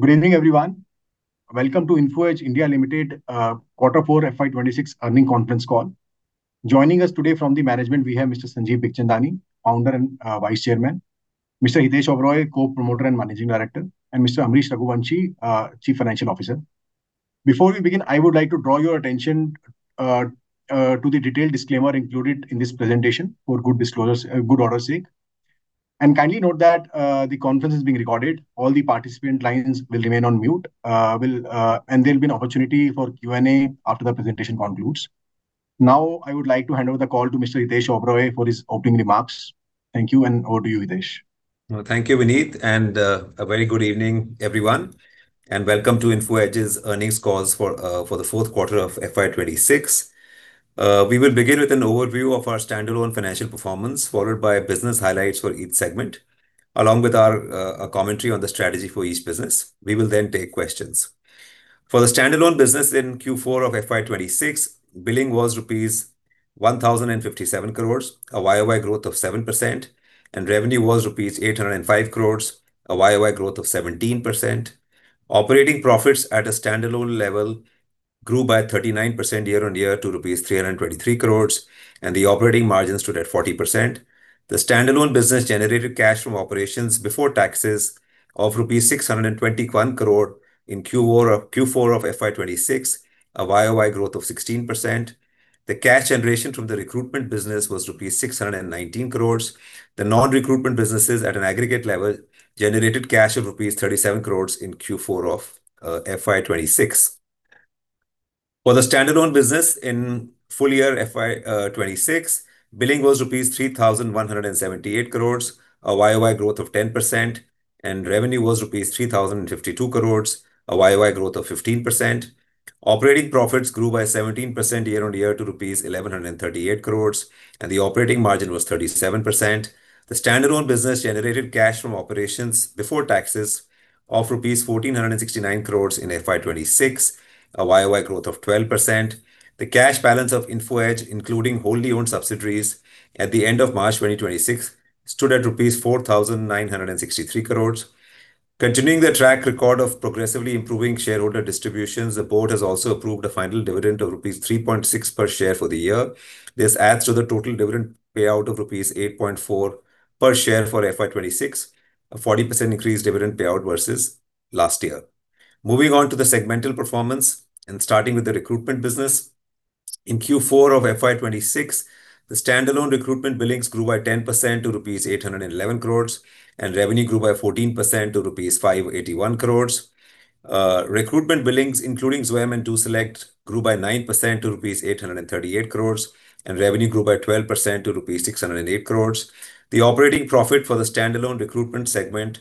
Good evening, everyone. Welcome to Info Edge (India) Limited Quarter Four FY 2026 Earning Conference Call. Joining us today from the management we have Mr. Sanjeev Bikhchandani, Founder and Vice Chairman, Mr. Hitesh Oberoi, Co-Promoter and Managing Director, and Mr. Ambarish Raghuvanshi, Chief Financial Officer. Before we begin, I would like to draw your attention to the detailed disclaimer included in this presentation for good order's sake. Kindly note that the conference is being recorded. All the participant lines will remain on mute, and there'll be an opportunity for Q&A after the presentation concludes. Now, I would like to hand over the call to Mr. Hitesh Oberoi for his opening remarks. Thank you. Over to you, Hitesh. Thank you, Vineet, a very good evening, everyone, and welcome to Info Edge's earnings calls for the fourth quarter of FY 2026. We will begin with an overview of our standalone financial performance, followed by business highlights for each segment, along with our commentary on the strategy for each business. We will then take questions. For the standalone business in Q4 of FY 2026, billing was rupees 1,057 crores, a YoY growth of 7%, and revenue was rupees 805 crores, a YoY growth of 17%. Operating profits at a standalone level grew by 39% year-on-year to rupees 323 crores, and the operating margin stood at 40%. The standalone business generated cash from operations before taxes of 621 crore rupees in Q4 of FY 2026, a YoY growth of 16%. The cash generation from the recruitment business was rupees 619 crores. The non-recruitment businesses at an aggregate level generated cash of rupees 37 crore in Q4 of FY 2026. For the standalone business in full year FY 2026, billing was rupees 3,178 crore, a YoY growth of 10%, and revenue was rupees 3,052 crore, a YoY growth of 15%. Operating profits grew by 17% year-on-year to rupees 1,138 crore, and the operating margin was 37%. The standalone business generated cash from operations before taxes of rupees 1,469 crore in FY 2026, a YoY growth of 12%. The cash balance of Info Edge, including wholly owned subsidiaries, at the end of March 2026, stood at rupees 4,963 crore. Continuing the track record of progressively improving shareholder distributions, the board has also approved a final dividend of rupees 3.6 per share for the year. This adds to the total dividend payout of rupees 8.4 per share for FY26, a 40% increased dividend payout versus last year. Moving on to the segmental performance and starting with the recruitment business. In Q4 of FY26, the standalone recruitment billings grew by 10% to rupees 811 crores, and revenue grew by 14% to rupees 581 crores. Recruitment billings, including Zwayam and DoSelect, grew by 9% to rupees 838 crores, and revenue grew by 12% to rupees 608 crores. The operating profit for the standalone recruitment segment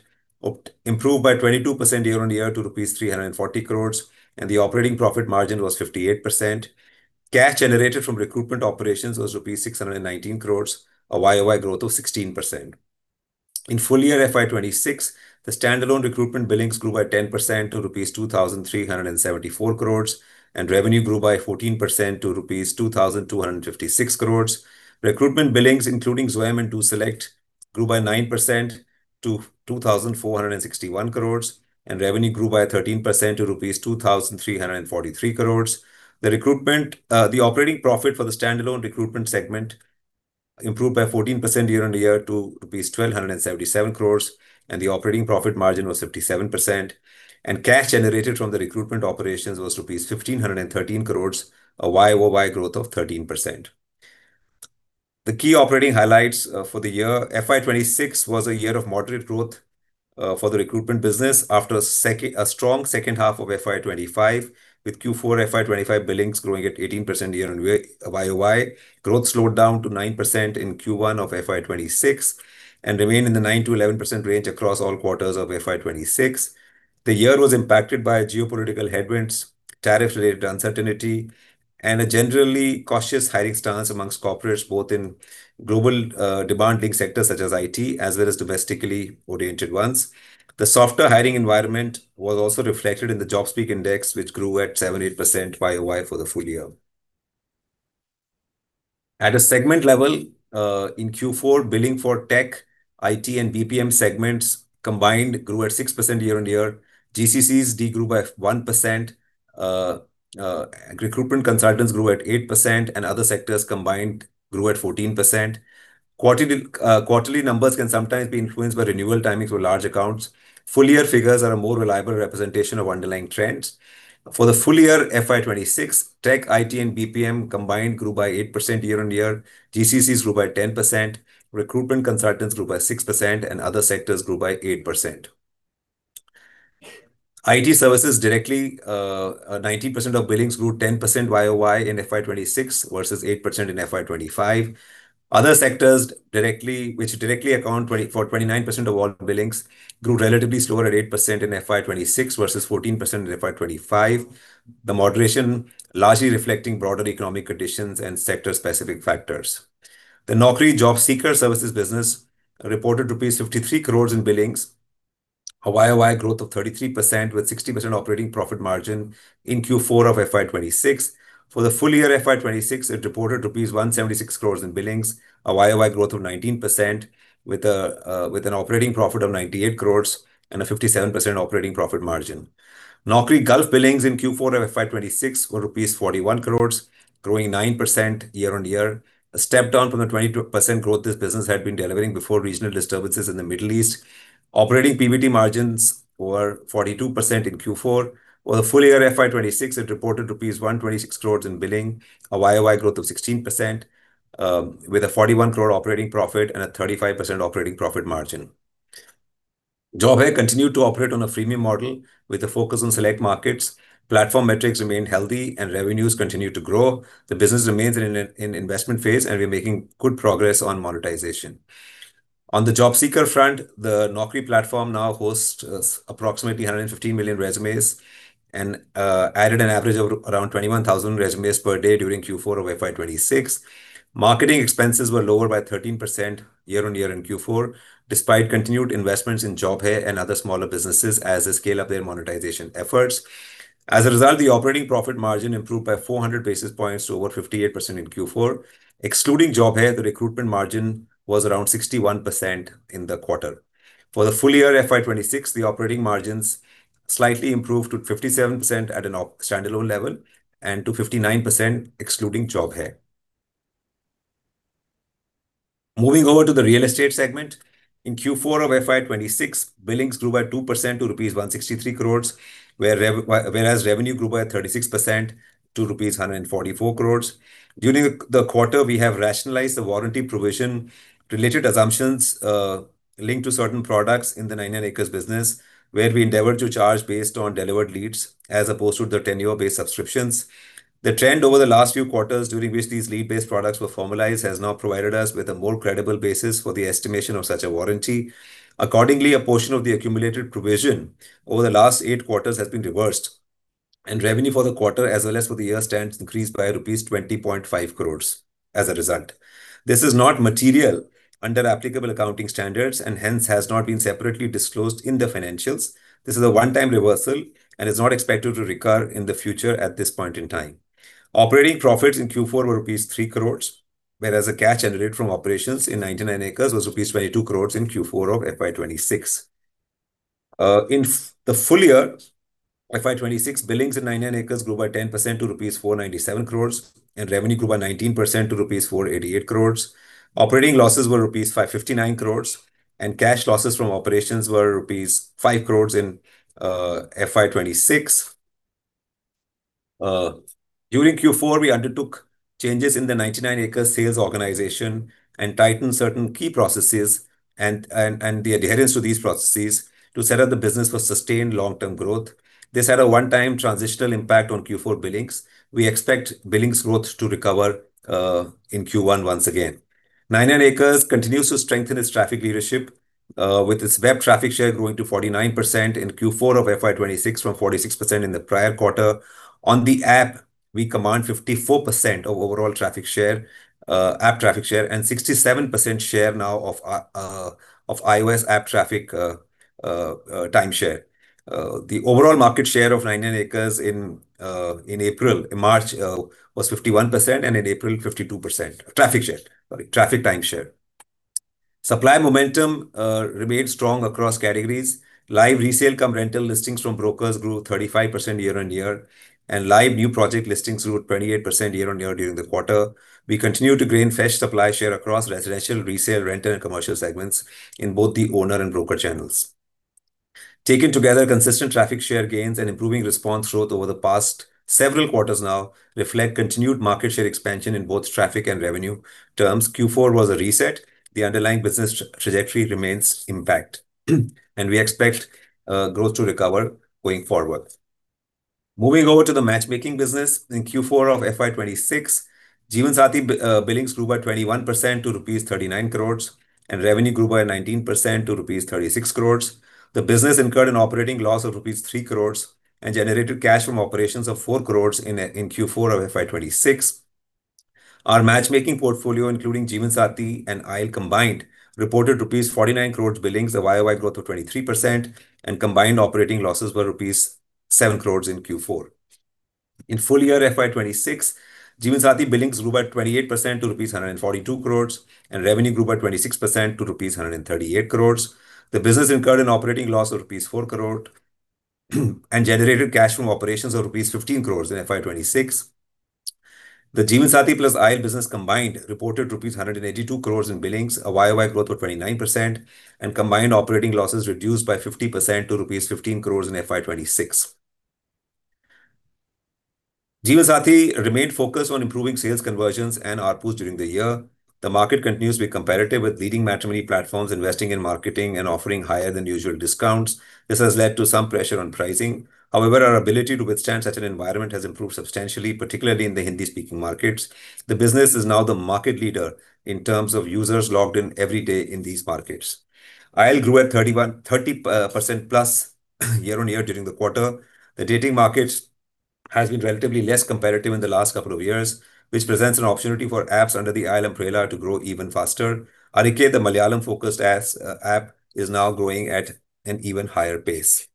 improved by 22% YoY to rupees 340 crores, and the operating profit margin was 58%. Cash generated from recruitment operations was rupees 619 crores, a YoY growth of 16%. In full year FY26, the standalone recruitment billings grew by 10% to rupees 2,374 crores, and revenue grew by 14% to rupees 2,256 crores. Recruitment billings, including Zwayam and DoSelect, grew by 9% to 2,461 crore. Revenue grew by 13% to rupees 2,343 crore. The operating profit for the standalone recruitment segment improved by 14% year-on-year to rupees 1,277 crore. The operating profit margin was 57%. Cash generated from the recruitment operations was rupees 1,513 crore, a YoY growth of 13%. The key operating highlights for the year. FY 2026 was a year of moderate growth for the recruitment business after a strong second half of FY 2025, with Q4 FY 2025 billings growing at 18% YoY. Growth slowed down to 9% in Q1 of FY 2026 and remained in the 9%-11% range across all quarters of FY 2026. The year was impacted by geopolitical headwinds, tariff-related uncertainty, and a generally cautious hiring stance amongst corporates, both in global demand-linked sectors such as IT, as well as domestically-oriented ones. The softer hiring environment was also reflected in the JobSpeak index, which grew at 78% YoY for the full year. At a segment level, in Q4, billing for Tech, IT, & BPM segments combined grew at 6% YoY. GCCs de-grew by 1%. Recruitment consultants grew at 8%, and other sectors combined grew at 14%. Quarterly numbers can sometimes be influenced by renewal timings for large accounts. Full-year figures are a more reliable representation of underlying trends. For the full year FY 2026, Tech, IT, & BPM combined grew by 8% YoY, GCCs grew by 10%, recruitment consultants grew by 6%, and other sectors grew by 8%. IT services directly, 90% of billings grew 10% YoY in FY 2026 versus 8% in FY 2025. Other sectors which directly account for 29% of all billings grew relatively slower at 8% in FY 2026 versus 14% in FY 2025. The moderation largely reflecting broader economic conditions and sector-specific factors. The Naukri job seeker services business reported rupees 53 crores in billings. A YoY growth of 33% with 60% operating profit margin in Q4 of FY 2026. For the full year FY 2026, it reported rupees 176 crores in billings, a YoY growth of 19% with an operating profit of 98 crores and a 57% operating profit margin. Naukrigulf billings in Q4 of FY 2026 were rupees 41 crores, growing 9% year-on-year, a step down from the 20% growth this business had been delivering before regional disturbances in the Middle East. Operating PBT margins were 42% in Q4, while the full year FY 2026, it reported rupees 126 crores in billing, a YoY growth of 16%, with an 41 crore operating profit and a 35% operating profit margin. Job Hai continued to operate on a freemium model with a focus on select markets. Platform metrics remained healthy, and revenues continued to grow. The business remains in investment phase, and we're making good progress on monetization. On the job seeker front, the Naukri platform now hosts approximately 115 million resumes and added an average of around 21,000 resumes per day during Q4 of FY 2026. Marketing expenses were lower by 13% year-on-year in Q4, despite continued investments in Job Hai and other smaller businesses as they scale up their monetization efforts. The operating profit margin improved by 400 basis points to over 58% in Q4. Excluding Job Hai, the recruitment margin was around 61% in the quarter. For the full year FY 2026, the operating margins slightly improved to 57% at a standalone level and to 59% excluding Job Hai. Moving over to the real estate segment. In Q4 of FY 2026, billings grew by 2% to rupees 163 crores, whereas revenue grew by 36% to rupees 144 crores. During the quarter, we have rationalized the warranty provision related assumptions linked to certain products in the 99acres business, where we endeavor to charge based on delivered leads as opposed to the tenure-based subscriptions. The trend over the last few quarters during which these lead-based products were formalized has now provided us with a more credible basis for the estimation of such a warranty. Accordingly, a portion of the accumulated provision over the last eight quarters has been reversed, and revenue for the quarter as well as for the year stands increased by rupees 20.5 crores as a result. This is not material under applicable accounting standards and hence has not been separately disclosed in the financials. This is a one-time reversal and is not expected to recur in the future at this point in time. Operating profits in Q4 were rupees 3 crores, whereas the cash generated from operations in 99acres was rupees 22 crores in Q4 of FY 2026. In the full year FY 2026, billings in 99acres grew by 10% to rupees 497 crores, and revenue grew by 19% to rupees 488 crores. Operating losses were rupees 559 crores, and cash losses from operations were rupees 5 crores in FY 2026. During Q4, we undertook changes in the 99acres sales organization and tightened certain key processes and the adherence to these processes to set up the business for sustained long-term growth. This had a one-time transitional impact on Q4 billings. We expect billings growth to recover in Q1 once again. 99acres continues to strengthen its traffic leadership with its web traffic share growing to 49% in Q4 of FY 2026 from 46% in the prior quarter. On the app, we command 54% of overall traffic share, app traffic share, and 67% share now of iOS app traffic timeshare. The overall market share of 99acres in March was 51%, and in April 52%. Traffic share, sorry, traffic timeshare. Supply momentum remains strong across categories. Live resale cum rental listings from brokers grew 35% year-on-year, and live new project listings grew at 28% year-on-year during the quarter. We continue to gain fresh supply share across residential, resale, rental, and commercial segments in both the owner and broker channels. Taken together, consistent traffic share gains and improving response growth over the past several quarters now reflect continued market share expansion in both traffic and revenue terms. Q4 was a reset. The underlying business trajectory remains intact. We expect growth to recover going forward. Moving over to the matchmaking business. In Q4 of FY 2026, Jeevansathi billings grew by 21% to rupees 39 crores, and revenue grew by 19% to rupees 36 crores. The business incurred an operating loss of rupees 3 crores and generated cash from operations of 4 crores in Q4 of FY 2026. Our matchmaking portfolio, including Jeevansathi and Aisle combined, reported rupees 49 crores billings, a YoY growth of 23%, and combined operating losses were rupees 7 crores in Q4. In full year FY 2026, Jeevansathi billings grew by 28% to rupees 142 crores, and revenue grew by 26% to rupees 138 crores. The business incurred an operating loss of rupees 4 crore and generated cash from operations of rupees 15 crores in FY 2026. The Jeevansathi plus Aisle business combined reported rupees 182 crores in billings, a YoY growth of 29%, and combined operating losses reduced by 50% to rupees 15 crores in FY 2026. Jeevansathi remained focused on improving sales conversions and ARPUs during the year. The market continues to be competitive, with leading matrimony platforms investing in marketing and offering higher than usual discounts. This has led to some pressure on pricing. However, our ability to withstand such an environment has improved substantially, particularly in the Hindi-speaking markets. The business is now the market leader in terms of users logged in every day in these markets. Aisle grew at 30%+ YoY during the quarter. The dating market has been relatively less competitive in the last couple of years, which presents an opportunity for apps under the ILM umbrella to grow even faster. Arike, the Malayalam-focused app, is now growing at an even higher pace.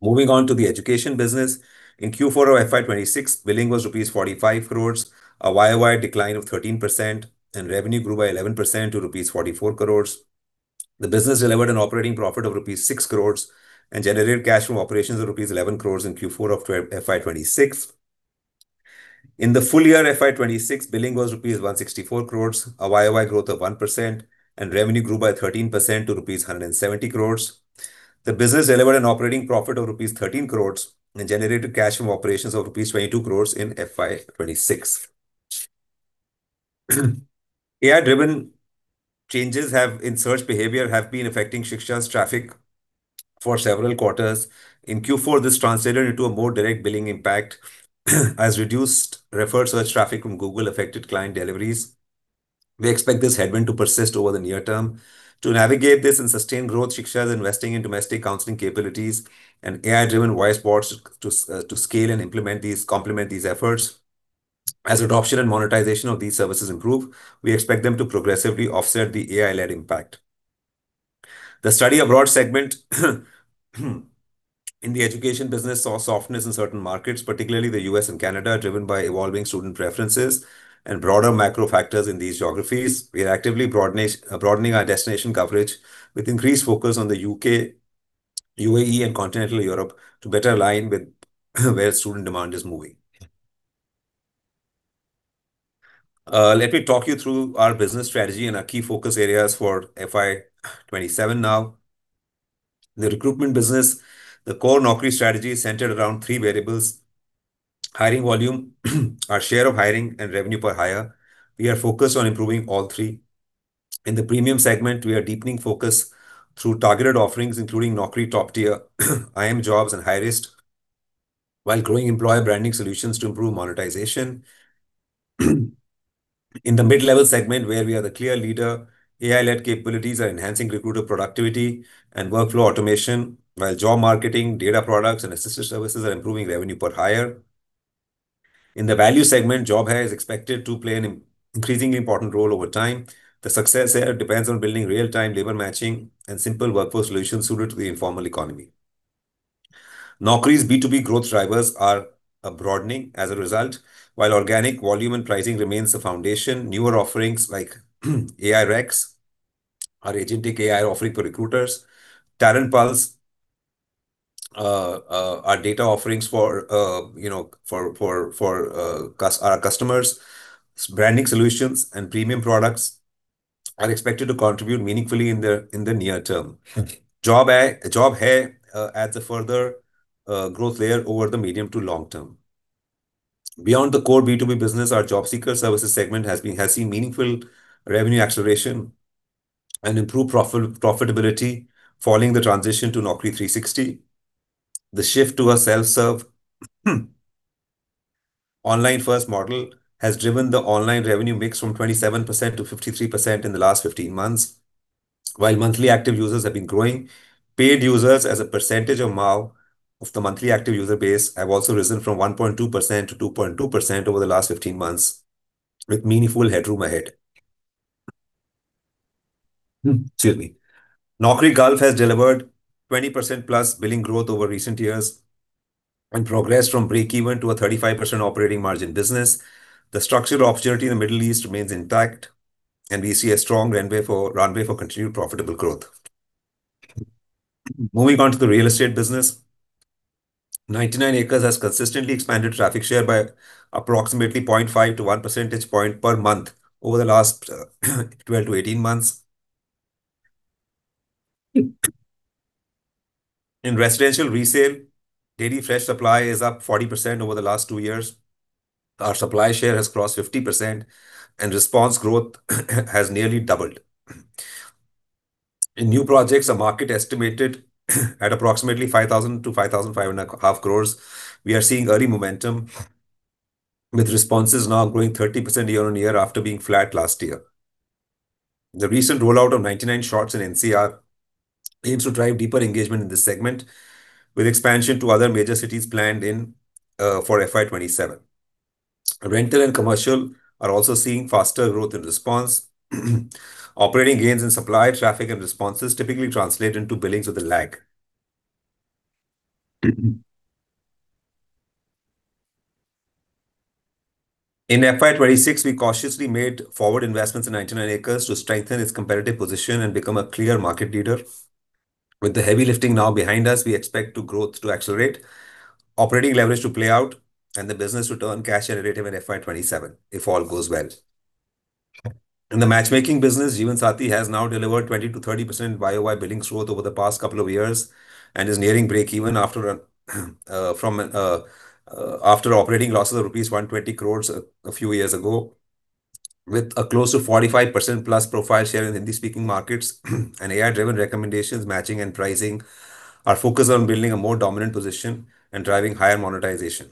Moving on to the education business. In Q4 of FY 2026, billing was rupees 45 crores, a YoY decline of 13%, and revenue grew by 11% to rupees 44 crores. The business delivered an operating profit of rupees 6 crores and generated cash from operations of rupees 11 crores in Q4 of FY 2026. In the full year FY 2026, billing was rupees 164 crores, a YoY growth of 1%, and revenue grew by 13% to rupees 170 crores. The business delivered an operating profit of rupees 13 crores and generated cash from operations of rupees 22 crores in FY 2026. AI-driven changes in search behavior have been affecting Shiksha's traffic for several quarters. In Q4, this translated into a more direct billing impact as reduced referred search traffic from Google affected client deliveries. We expect this headwind to persist over the near term. To navigate this and sustain growth, Shiksha is investing in domestic counseling capabilities and AI-driven voice bots to scale and complement these efforts. As adoption and monetization of these services improve, we expect them to progressively offset the AI-led impact. The study abroad segment in the education business saw softness in certain markets, particularly the U.S. and Canada, driven by evolving student preferences and broader macro factors in these geographies. We are actively broadening our destination coverage with increased focus on the U.K., UAE, and continental Europe to better align with where student demand is moving. Let me talk you through our business strategy and our key focus areas for FY 2027 now. The recruitment business. The core Naukri strategy is centered around three variables: hiring volume, our share of hiring, and revenue per hire. We are focused on improving all three. In the premium segment, we are deepening focus through targeted offerings including Naukri Top Tier, iimjobs, and hirist, while growing employer branding solutions to improve monetization. In the mid-level segment, where we are the clear leader, AI-led capabilities are enhancing recruiter productivity and workflow automation, while job marketing, data products, and assisted services are improving revenue per hire. In the value segment, Job Hai is expected to play an increasingly important role over time. The success here depends on building real-time labor matching and simple workforce solutions suited to the informal economy. Naukri's B2B growth drivers are broadening as a result. While organic volume and pricing remains the foundation, newer offerings like AI REX, our agentic AI offering for recruiters, Talent Pulse, our data offerings for our customers, branding solutions, and premium products are expected to contribute meaningfully in the near term. Job Hai adds a further growth layer over the medium to long term. Beyond the core B2B business, our job seeker services segment has seen meaningful revenue acceleration and improved profitability following the transition to Naukri 360. The shift to a self-serve online-first model has driven the online revenue mix from 27% to 53% in the last 15 months. While monthly active users have been growing, paid users as a percentage of MAU, of the monthly active user base, have also risen from 1.2% to 2.2% over the last 15 months, with meaningful headroom ahead. Excuse me. Naukrigulf has delivered 20%+ billing growth over recent years and progressed from breakeven to a 35% operating margin business. The structural opportunity in the Middle East remains intact, we see a strong runway for continued profitable growth. Moving on to the real estate business. 99acres has consistently expanded traffic share by approximately 0.5 to 1 percentage point per month over the last 12-18 months. In residential resale, daily fresh supply is up 40% over the last two years. Our supply share has crossed 50%, and response growth has nearly doubled. In new projects, a market estimated at approximately 5,000 crore-5,500 crore, we are seeing early momentum, with responses now growing 30% year-on-year after being flat last year. The recent rollout of 99Shots in NCR aims to drive deeper engagement in this segment, with expansion to other major cities planned in for FY 2027. Rental and commercial are also seeing faster growth and response. Operating gains in supply, traffic, and responses typically translate into billings with a lag. In FY 2026, we cautiously made forward investments in 99acres to strengthen its competitive position and become a clear market leader. With the heavy lifting now behind us, we expect growth to accelerate, operating leverage to play out, and the business to turn cash generative in FY 2027, if all goes well. In the matchmaking business, Jeevansathi has now delivered 20%-30% YoY billing growth over the past couple of years and is nearing breakeven after operating losses of rupees 120 crores a few years ago. With a close to 45%+ profile share in Hindi-speaking markets and AI-driven recommendations, matching, and pricing, our focus on building a more dominant position and driving higher monetization.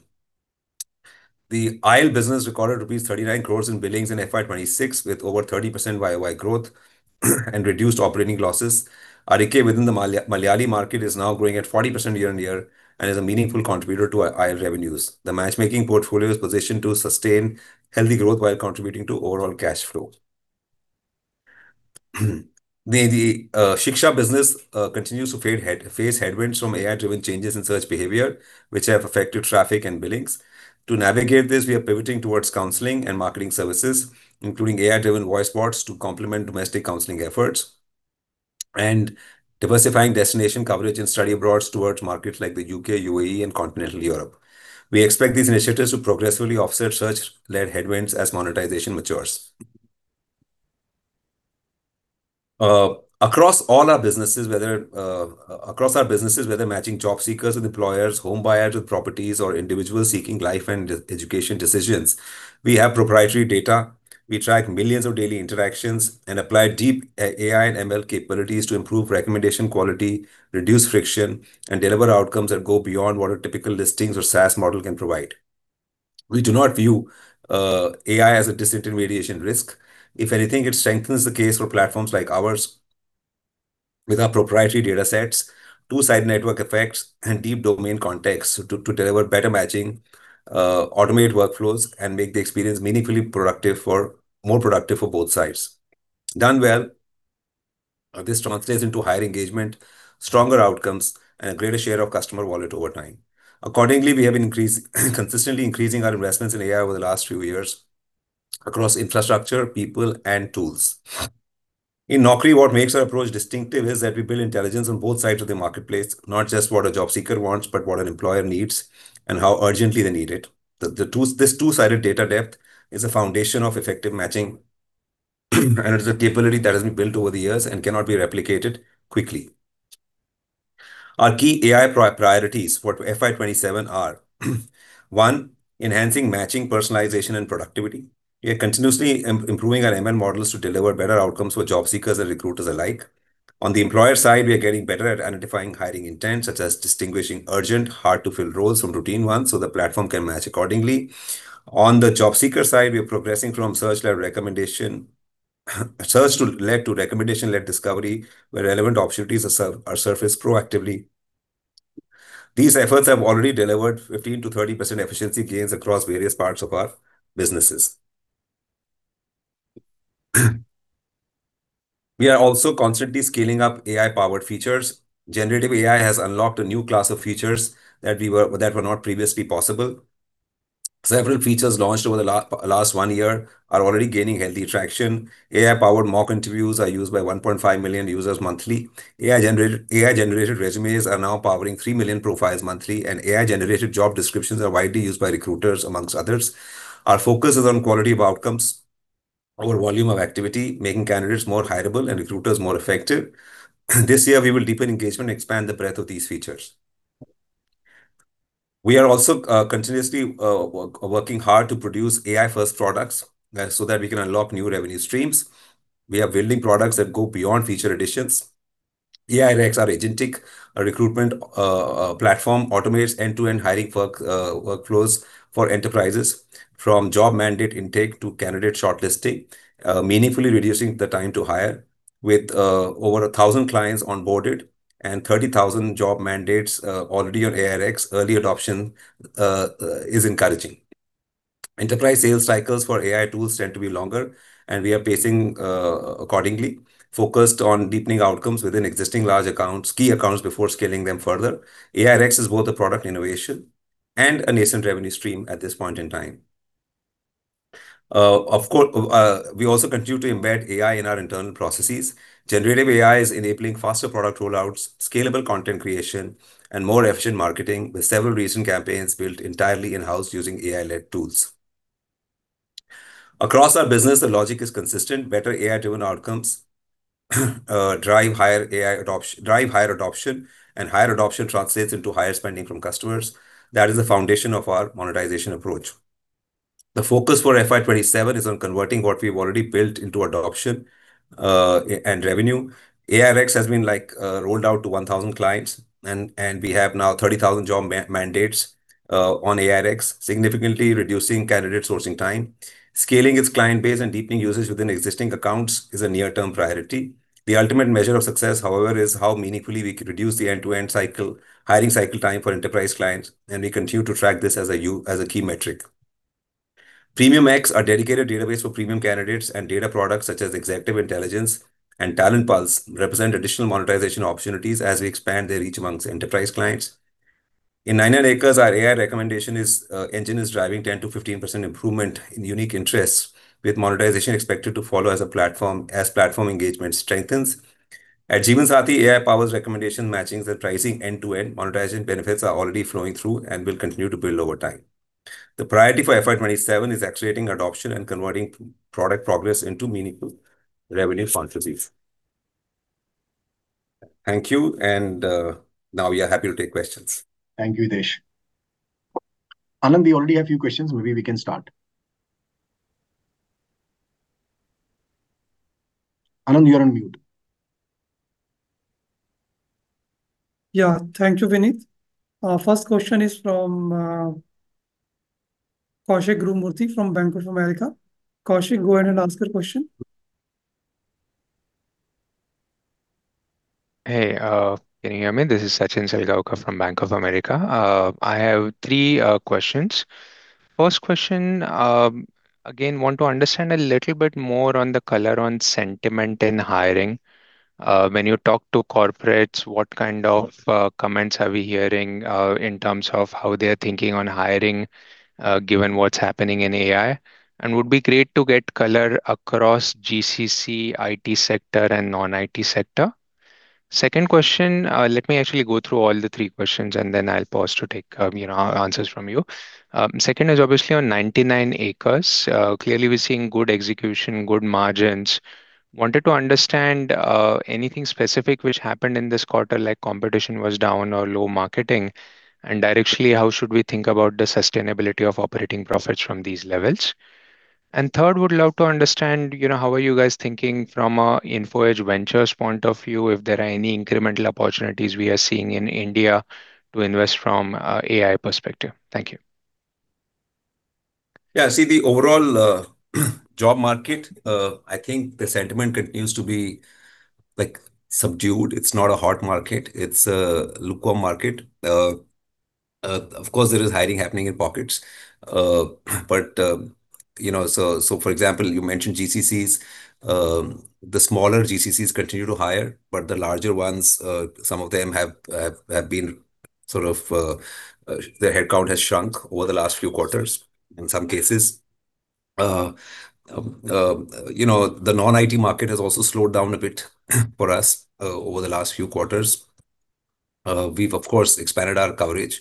The Aisle business recorded rupees 39 crores in billings in FY 2026, with over 30% YoY growth and reduced operating losses. Arike, within the Malayali market, is now growing at 40% YoY and is a meaningful contributor to our Aisle revenues. The matchmaking portfolio is positioned to sustain healthy growth while contributing to overall cash flow. The Shiksha business continues to face headwinds from AI-driven changes in search behavior, which have affected traffic and billings. To navigate this, we are pivoting towards counseling and marketing services, including AI-driven voice bots to complement domestic counseling efforts, and diversifying destination coverage and study abroad towards markets like the U.K., U.A.E., and continental Europe. We expect these initiatives to progressively offset search-led headwinds as monetization matures. Across our businesses, whether matching job seekers with employers, home buyers with properties, or individuals seeking life and education decisions, we have proprietary data. We track millions of daily interactions and apply deep AI and ML capabilities to improve recommendation quality, reduce friction, and deliver outcomes that go beyond what a typical listings or SaaS model can provide. We do not view AI as a disintermediation risk. If anything, it strengthens the case for platforms like ours. With our proprietary data sets, two-side network effects, and deep domain context to deliver better matching, automate workflows, and make the experience meaningfully more productive for both sides. Done well, this translates into higher engagement, stronger outcomes, and a greater share of customer wallet over time. Accordingly, we have been consistently increasing our investments in AI over the last few years across infrastructure, people, and tools. In Naukri, what makes our approach distinctive is that we build intelligence on both sides of the marketplace, not just what a job seeker wants, but what an employer needs and how urgently they need it. This two-sided data depth is a foundation of effective matching, and it is a capability that has been built over the years and cannot be replicated quickly. Our key AI priorities for FY 2027 are, one, enhancing matching, personalization, and productivity. We are continuously improving our ML models to deliver better outcomes for job seekers and recruiters alike. On the employer side, we are getting better at identifying hiring intent, such as distinguishing urgent, hard-to-fill roles from routine ones so the platform can match accordingly. On the job seeker side, we are progressing from search-led to recommendation-led discovery, where relevant opportunities are surfaced proactively. These efforts have already delivered 15%-30% efficiency gains across various parts of our businesses. We are also constantly scaling up AI-powered features. Generative AI has unlocked a new class of features that were not previously possible. Several features launched over the last one year are already gaining healthy traction. AI-powered mock interviews are used by 1.5 million users monthly. AI-generated resumes are now powering 3 million profiles monthly, and AI-generated job descriptions are widely used by recruiters, amongst others. Our focus is on quality of outcomes over volume of activity, making candidates more hireable and recruiters more effective. This year, we will deepen engagement and expand the breadth of these features. We are also continuously working hard to produce AI-first products so that we can unlock new revenue streams. We are building products that go beyond feature additions. AI REX, our agentic recruitment platform, automates end-to-end hiring workflows for enterprises from job mandate intake to candidate shortlisting, meaningfully reducing the time to hire. With over 1,000 clients onboarded and 30,000 job mandates already on AI REX, early adoption is encouraging. Enterprise sales cycles for AI tools tend to be longer, and we are pacing accordingly, focused on deepening outcomes within existing large accounts, key accounts, before scaling them further. AI REX is both a product innovation and a nascent revenue stream at this point in time. We also continue to embed AI in our internal processes. Generative AI is enabling faster product rollouts, scalable content creation, and more efficient marketing, with several recent campaigns built entirely in-house using AI-led tools. Across our business, the logic is consistent. Better AI-driven outcomes drive higher adoption, higher adoption translates into higher spending from customers. That is the foundation of our monetization approach. The focus for FY 2027 is on converting what we've already built into adoption and revenue. AI REX has been rolled out to 1,000 clients, we have now 30,000 job mandates on AI REX, significantly reducing candidate sourcing time. Scaling its client base and deepening usage within existing accounts is a near-term priority. The ultimate measure of success, however, is how meaningfully we can reduce the end-to-end hiring cycle time for enterprise clients, we continue to track this as a key metric. PremiumX, our dedicated database for premium candidates, and data products such as Executive Intelligence and Talent Pulse represent additional monetization opportunities as we expand their reach amongst enterprise clients. In 99acres, our AI recommendation engine is driving 10%-15% improvement in unique interests, with monetization expected to follow as platform engagement strengthens. At Jeevansathi, AI powers recommendation matching with pricing end to end. Monetization benefits are already flowing through and will continue to build over time. The priority for FY 2027 is accelerating adoption and converting product progress into meaningful revenue contributions. Thank you, and now we are happy to take questions. Thank you, Hitesh. Anand, we already have a few questions. Maybe we can start. Anand, you're on mute. Yeah. Thank you, Vineet. First question is from Kaushik Gurumurthy from Bank of America. Kaushik, go ahead and ask your question. Hey. Can you hear me? This is Sachin Salgaonkar from Bank of America. I have three questions. First question, again, want to understand a little bit more on the color on sentiment in hiring. When you talk to corporates, what kind of comments are we hearing in terms of how they're thinking on hiring given what's happening in AI? Would be great to get color across GCC IT sector and non-IT sector. Second question. Let me actually go through all the three questions, and then I'll pause to take answers from you. Second is obviously on 99acres. Clearly we're seeing good execution, good margins. Wanted to understand anything specific which happened in this quarter, like competition was down or low marketing, and directionally, how should we think about the sustainability of operating profits from these levels? Third, would love to understand how are you guys thinking from a Info Edge Ventures point of view, if there are any incremental opportunities we are seeing in India to invest from AI perspective. Thank you. Yeah. See the overall job market, I think the sentiment continues to be subdued. It's not a hot market. It's a lukewarm market. Of course, there is hiring happening in pockets. For example, you mentioned GCCs. The smaller GCCs continue to hire, the larger ones, some of them their headcount has shrunk over the last few quarters in some cases. The non-IT market has also slowed down a bit for us over the last few quarters. We've, of course, expanded our coverage.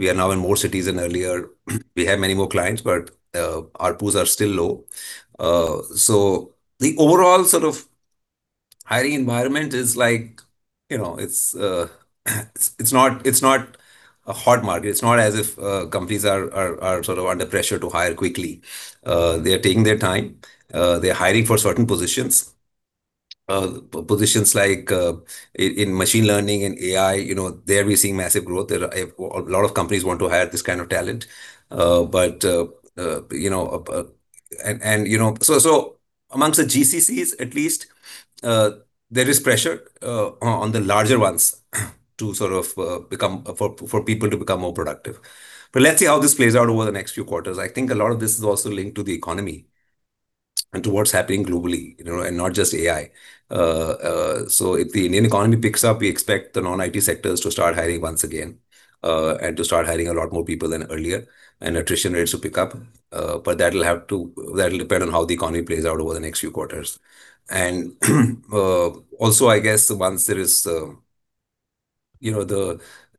We are now in more cities than earlier. We have many more clients, our pools are still low. The overall hiring environment it's not a hot market. It's not as if companies are under pressure to hire quickly. They're taking their time. They're hiring for certain positions. Positions like in machine learning and AI, there we're seeing massive growth. A lot of companies want to hire this kind of talent. Amongst the GCCs, at least, there is pressure on the larger ones for people to become more productive. Let's see how this plays out over the next few quarters. I think a lot of this is also linked to the economy and to what's happening globally, and not just AI. If the Indian economy picks up, we expect the non-IT sectors to start hiring once again, and to start hiring a lot more people than earlier, and attrition rates will pick up. That'll depend on how the economy plays out over the next few quarters. Also, I guess once there is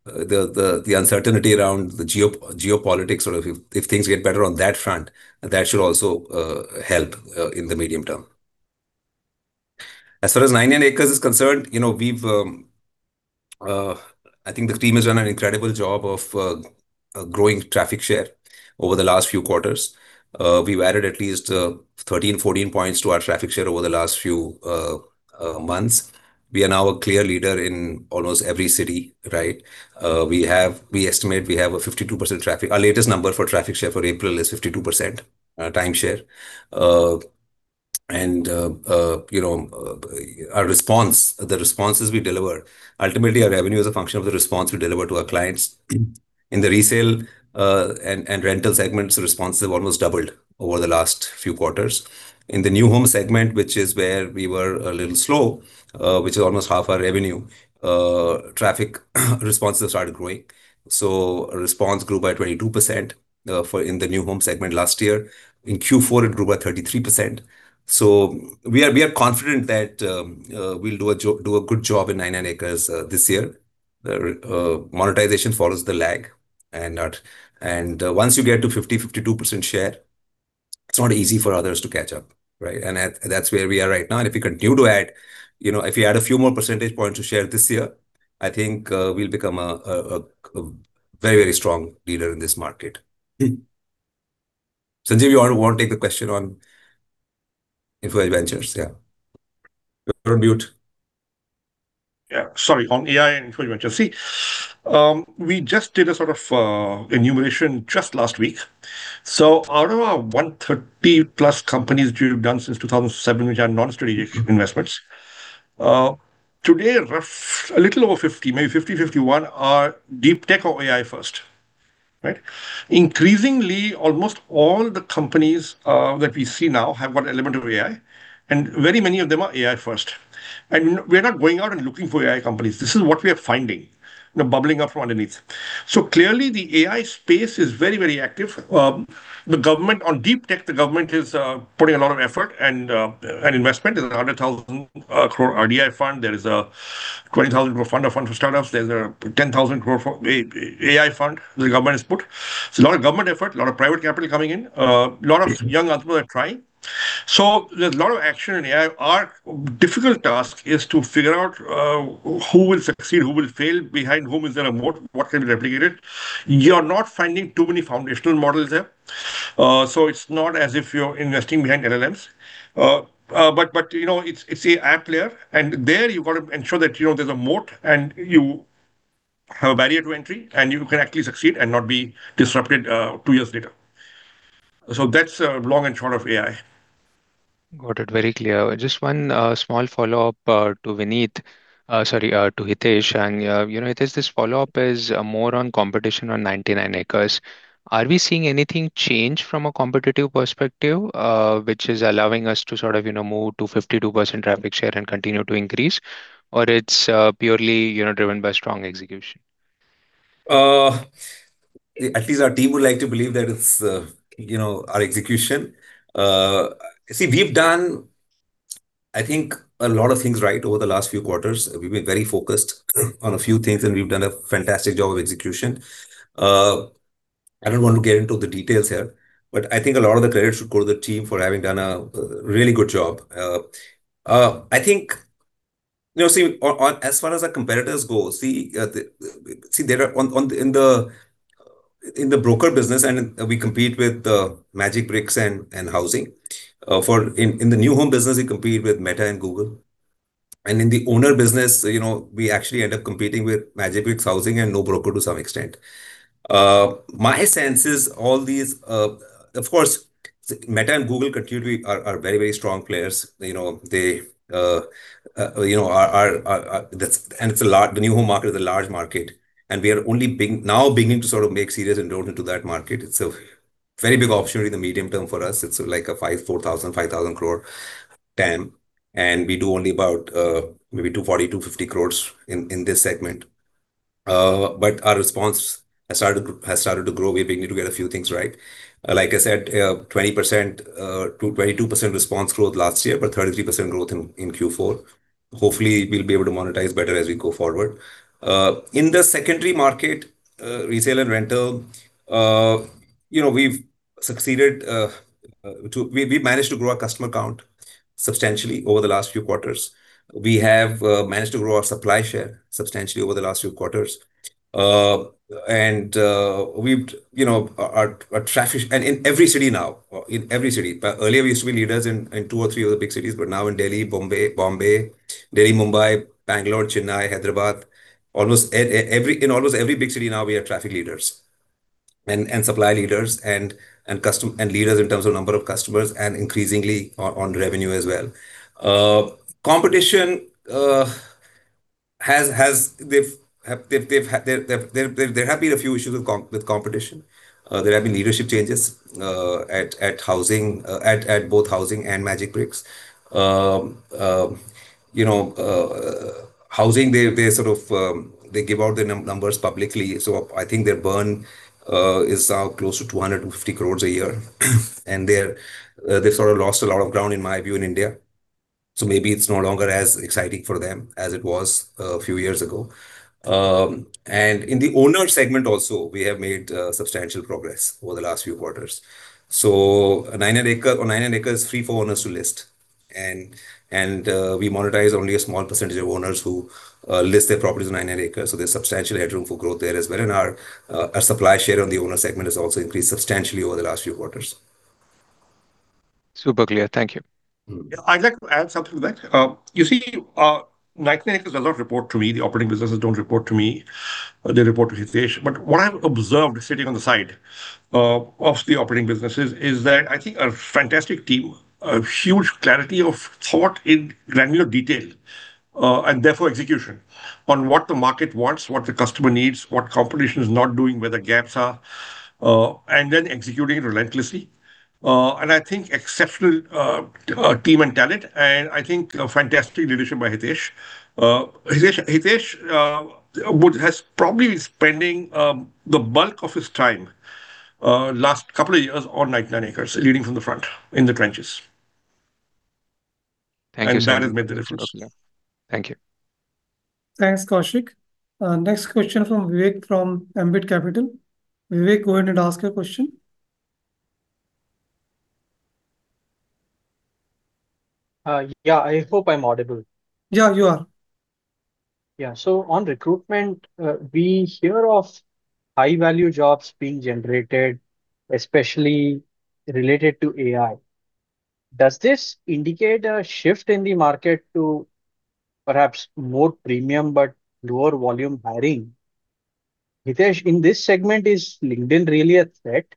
the uncertainty around the geopolitics, or if things get better on that front, that should also help in the medium term. As far as 99acres is concerned, I think the team has done an incredible job of growing traffic share over the last few quarters. We've added at least 13, 14 points to our traffic share over the last few months. We are now a clear leader in almost every city, right? Our latest number for traffic share for April is 52% time share. The responses we deliver. Ultimately, our revenue is a function of the response we deliver to our clients. In the resale, and rental segments, the responses have almost doubled over the last few quarters. In the new home segment, which is where we were a little slow, which is almost half our revenue, traffic responses started growing. Response grew by 22% in the new home segment last year. In Q4, it grew by 33%. We are confident that we'll do a good job in 99acres this year. Monetization follows the lag. Once you get to 50%, 52% share, it's not easy for others to catch up, right? That's where we are right now. If we add a few more percentage points to share this year, I think we'll become a very strong leader in this market. Sanjeev, you want to take the question on Info Edge Ventures, yeah. You're on mute. Yeah. Sorry. On AI and Info Edge Ventures. See, we just did a sort of enumeration just last week. Out of our 130+ companies we've done since 2007, which are non-strategic investments, today a little over 50, maybe 50, 51 are deep tech or AI first, right? Increasingly, almost all the companies that we see now have got an element of AI, and very many of them are AI first. We're not going out and looking for AI companies. This is what we are finding. They're bubbling up from underneath. Clearly the AI space is very active. On deep tech, the government is putting a lot of effort and investment. There's a 100,000 crore R&D fund. There is a 20,000 crore fund for startups. There's a 10,000 crore AI fund the government has put. A lot of government effort, a lot of private capital coming in. A lot of young entrepreneurs are trying. There's a lot of action in AI. Our difficult task is to figure out who will succeed, who will fail, behind whom is there a moat, what can be replicated. You're not finding too many foundational models there. It's not as if you're investing behind LLMs. It's the app layer, and there you've got to ensure that there's a moat, and you have a barrier to entry, and you can actually succeed and not be disrupted two years later. That's the long and short of AI. Got it. Very clear. Just one small follow-up to Vineet, sorry to Hitesh. Hitesh, this follow-up is more on competition on 99acres. Are we seeing anything change from a competitive perspective, which is allowing us to move to 52% traffic share and continue to increase, or it's purely driven by strong execution? Our team would like to believe that it's our execution. We've done, I think, a lot of things right over the last few quarters. We've been very focused on a few things, and we've done a fantastic job of execution. I don't want to get into the details here, but I think a lot of the credit should go to the team for having done a really good job. I think, as far as our competitors go. In the broker business, we compete with Magicbricks and Housing. In the new home business, we compete with Meta and Google. In the owner business, we actually end up competing with Magicbricks, Housing, and NoBroker to some extent. My sense is, of course, Meta and Google continually are very strong players. The new home market is a large market, and we are only now beginning to make serious inroad into that market. It's a very big opportunity in the medium term for us. It's like an 4,000 crore-5,000 crore TAM, and we do only about maybe 240 crore-250 crore in this segment. Our response has started to grow. We're beginning to get a few things right. Like I said, 20%-22% response growth last year, but 33% growth in Q4. Hopefully, we'll be able to monetize better as we go forward. In the secondary market, resale and rental, we've managed to grow our customer count substantially over the last few quarters. We have managed to grow our supply share substantially over the last few quarters. In every city now. Earlier, we used to be leaders in two or three other big cities, but now in Delhi, Mumbai, Bangalore, Chennai, Hyderabad. In almost every big city now, we are traffic leaders and supply leaders and leaders in terms of number of customers and increasingly on revenue as well. There have been a few issues with competition. There have been leadership changes at both Housing.com and Magicbricks. Housing.com, they give out their numbers publicly, so I think their burn is now close to 250 crore a year. They've lost a lot of ground, in my view, in India. Maybe it's no longer as exciting for them as it was a few years ago. In the owner segment also, we have made substantial progress over the last few quarters. 99acres is free for owners to list. We monetize only a small percentage of owners who list their properties on 99acres, so there's substantial headroom for growth there as well. Our supply share on the owner segment has also increased substantially over the last few quarters. Super clear. Thank you. I'd like to add something to that. You see, 99acres doesn't report to me. The operating businesses don't report to me. They report to Hitesh. What I've observed sitting on the side of the operating businesses is that I think a fantastic team, a huge clarity of thought in granular detail, and therefore execution on what the market wants, what the customer needs, what competition is not doing, where the gaps are, and then executing relentlessly. I think exceptional team and talent, and I think fantastic leadership by Hitesh. Hitesh has probably been spending the bulk of his time last couple of years on 99acres, leading from the front in the trenches. Thank you so much. That has made the difference. Okay. Thank you. Thanks, Kaushik. Next question from Vivek from Ambit Capital. Vivek, go ahead and ask your question. Yeah. I hope I'm audible. Yeah, you are. Yeah. On recruitment, we hear of high-value jobs being generated, especially related to AI. Does this indicate a shift in the market to perhaps more premium but lower volume hiring? Hitesh, in this segment, is LinkedIn really a threat?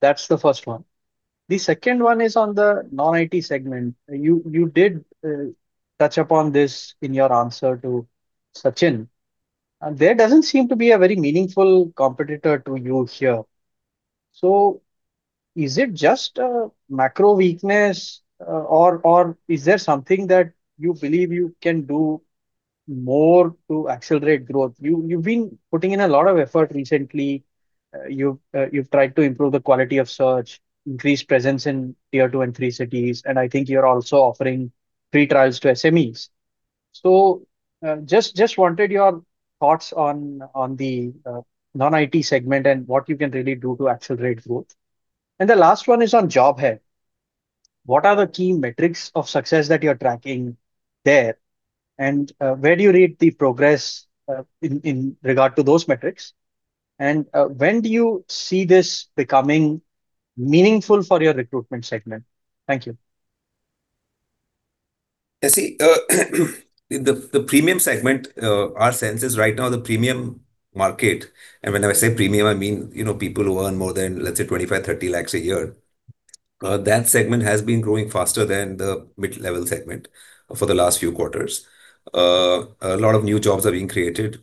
That's the first one. The second one is on the non-IT segment. You did touch upon this in your answer to Sachin. There doesn't seem to be a very meaningful competitor to you here. Is it just a macro weakness or is there something that you believe you can do more to accelerate growth? You've been putting in a lot of effort recently. You've tried to improve the quality of search, increase presence in Tier 2 and 3 cities, and I think you're also offering free trials to SMEs. Just wanted your thoughts on the non-IT segment and what you can really do to accelerate growth. The last one is on Job Hai. What are the key metrics of success that you're tracking there? Where do you rate the progress in regard to those metrics? When do you see this becoming meaningful for your recruitment segment? Thank you. The premium segment, our sense is right now the premium market, and when I say premium, I mean people who earn more than, let's say, 25 lakh, 30 lakh a year. That segment has been growing faster than the mid-level segment for the last few quarters. A lot of new jobs are being created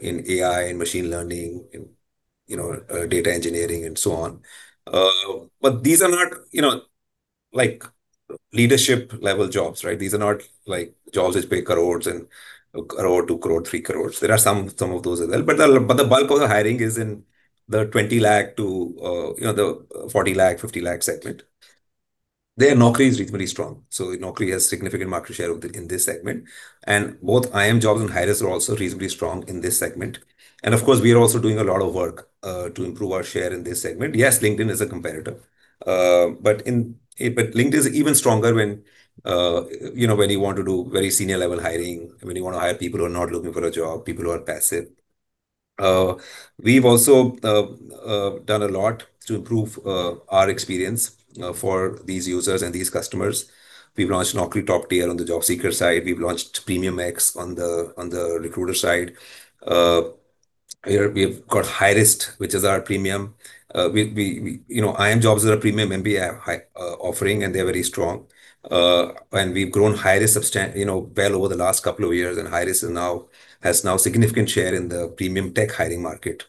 in AI and machine learning, in data engineering and so on. These are not leadership-level jobs, right? These are not jobs which pay crore and a 1 crore, 2 crore, 3 crore. There are some of those as well, but the bulk of the hiring is in the 20 lakh to the 40 lakh, 50 lakh segment. There Naukri is reasonably strong. Naukri has significant market share in this segment. Both iimjobs and hirist are also reasonably strong in this segment. Of course, we are also doing a lot of work to improve our share in this segment. LinkedIn is a competitor. LinkedIn is even stronger when you want to do very senior-level hiring, when you want to hire people who are not looking for a job, people who are passive. We've also done a lot to improve our experience for these users and these customers. We've launched Naukri Top Tier on the job seeker side. We've launched PremiumX on the recruiter side. We've got hirist, which is our premium. Iimjobs is our premium MBA offering. They're very strong. We've grown hirist substantially well over the last couple of years. Hirist has now a significant share in the premium tech hiring market.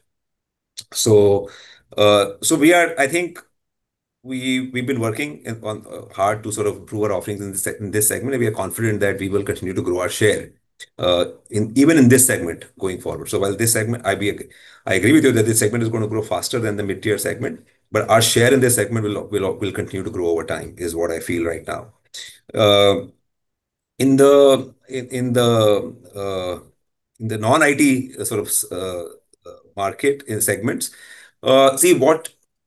I think we've been working hard to sort of improve our offerings in this segment, and we are confident that we will continue to grow our share even in this segment going forward. While this segment, I agree with you that this segment is going to grow faster than the mid-tier segment, but our share in this segment will continue to grow over time, is what I feel right now. In the non-IT sort of market segments.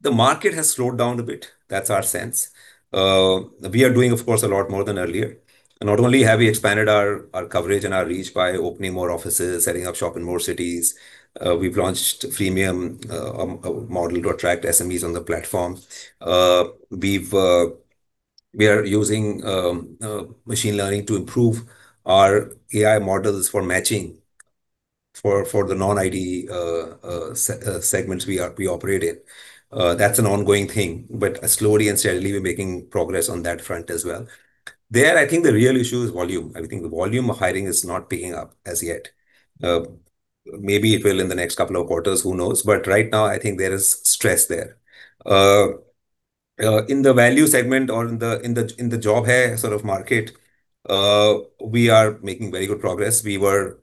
The market has slowed down a bit. That's our sense. We are doing, of course, a lot more than earlier. Not only have we expanded our coverage and our reach by opening more offices, setting up shop in more cities, we've launched a freemium model to attract SMEs on the platform. We are using machine learning to improve our AI models for matching for the non-IT segments we operate in. That's an ongoing thing. Slowly and steadily, we're making progress on that front as well. There, I think the real issue is volume. I think the volume of hiring is not picking up as yet. Maybe it will in the next couple of quarters, who knows? Right now, I think there is stress there. In the value segment or in the Job Hai sort of market, we are making very good progress. We were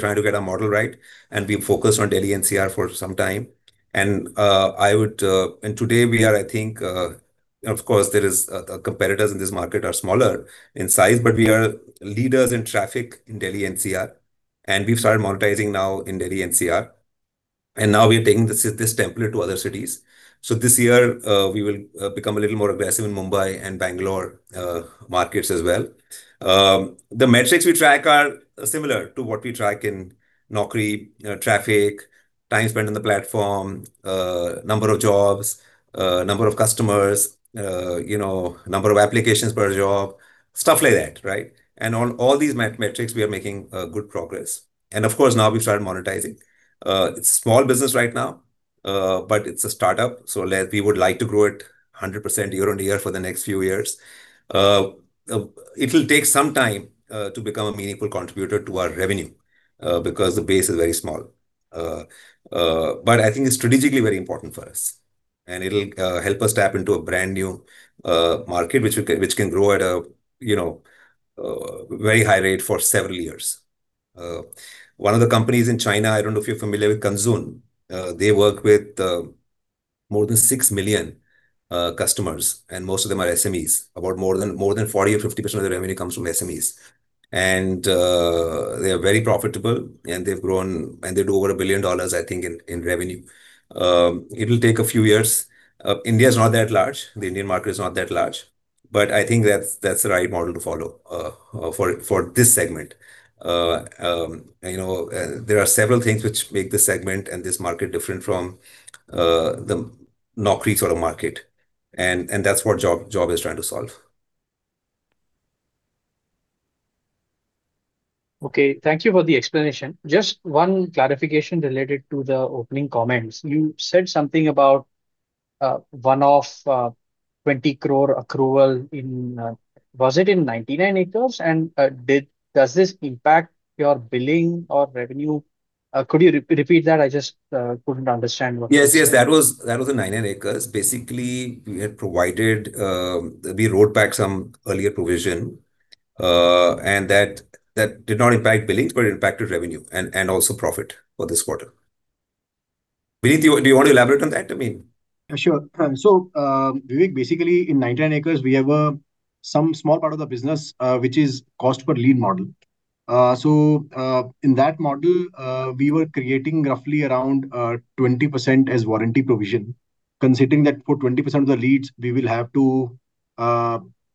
trying to get our model right, and we focused on Delhi NCR for some time. Today we are, of course, the competitors in this market are smaller in size, but we are leaders in traffic in Delhi NCR, and we've started monetizing now in Delhi NCR. Now we are taking this template to other cities. This year, we will become a little more aggressive in Mumbai and Bangalore markets as well. The metrics we track are similar to what we track in Naukri. Traffic, time spent on the platform, number of jobs, number of customers, number of applications per job, stuff like that, right? On all these metrics, we are making good progress. Of course, now we started monetizing. It's small business right now, but it's a startup, so we would like to grow it 100% YoY for the next few years. It'll take some time to become a meaningful contributor to our revenue, because the base is very small. I think it's strategically very important for us, and it'll help us tap into a brand-new market which can grow at a very high rate for several years. One of the companies in China, I don't know if you're familiar with Kanzhun. They work with more than 6 million customers, and most of them are SMEs. About more than 40% or 50% of their revenue comes from SMEs. They are very profitable, and they've grown, and they do over INR 1 billion, I think, in revenue. It'll take a few years. India is not that large. The Indian market is not that large. I think that's the right model to follow for this segment. There are several things which make this segment and this market different from the Naukri sort of market, and that's what Job Hai is trying to solve. Okay. Thank you for the explanation. Just one clarification related to the opening comments. You said something about one-off 20 crore accrual. Was it in 99acres? Does this impact your billing or revenue? Could you repeat that? Yes. That was in 99acres. Basically, we wrote back some earlier provision, and that did not impact billing, but impacted revenue and also profit for this quarter. Vineet, do you want to elaborate on that? I mean. Sure. Vivek, basically in 99acres, we have some small part of the business, which is cost per lead model. In that model, we were creating roughly around 20% as warranty provision, considering that for 20% of the leads, we will have to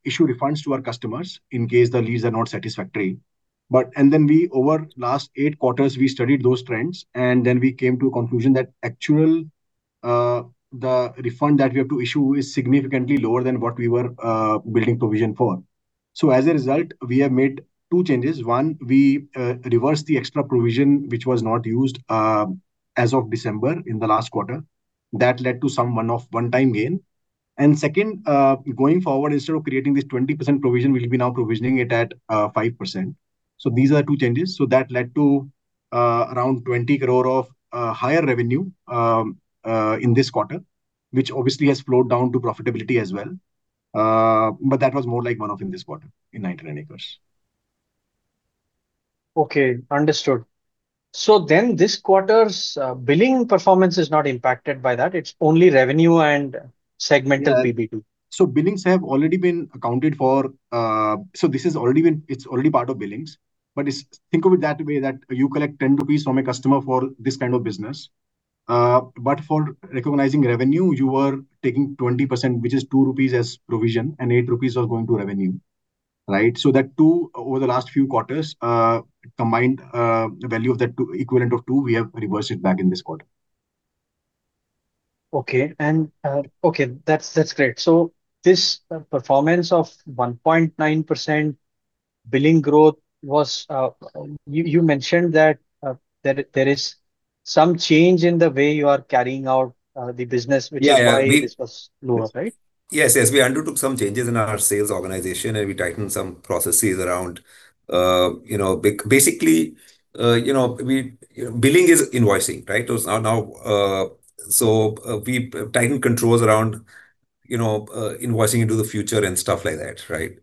issue refunds to our customers in case the leads are not satisfactory. Over last eight quarters, we studied those trends, and then we came to a conclusion that actual the refund that we have to issue is significantly lower than what we were building provision for. As a result, we have made two changes. One, we reversed the extra provision, which was not used as of December, in the last quarter. That led to some one-time gain. Second, going forward, instead of creating this 20% provision, we will be now provisioning it at 5%. These are two changes. That led to around 20 crore of higher revenue in this quarter, which obviously has flowed down to profitability as well. That was more like one-off in this quarter in 99acres. Okay. Understood. This quarter's billing performance is not impacted by that, it's only revenue and segmental PBT. Billings have already been accounted for. This is already part of billings, but think of it that way, that you collect 10 rupees from a customer for this kind of business. For recognizing revenue, you are taking 20%, which is 2 rupees as provision, and 8 rupees are going to revenue. Right? That 2, over the last few quarters, combined value of the equivalent of 2, we have reversed it back in this quarter. Okay. That's great. This performance of 1.9% billing growth, you mentioned that there is some change in the way you are carrying out the business. Yeah Which is why this was lower, right? Yes. We undertook some changes in our sales organization, and we tightened some processes around. Basically, billing is invoicing. Right? We tightened controls around invoicing into the future and stuff like that. Right?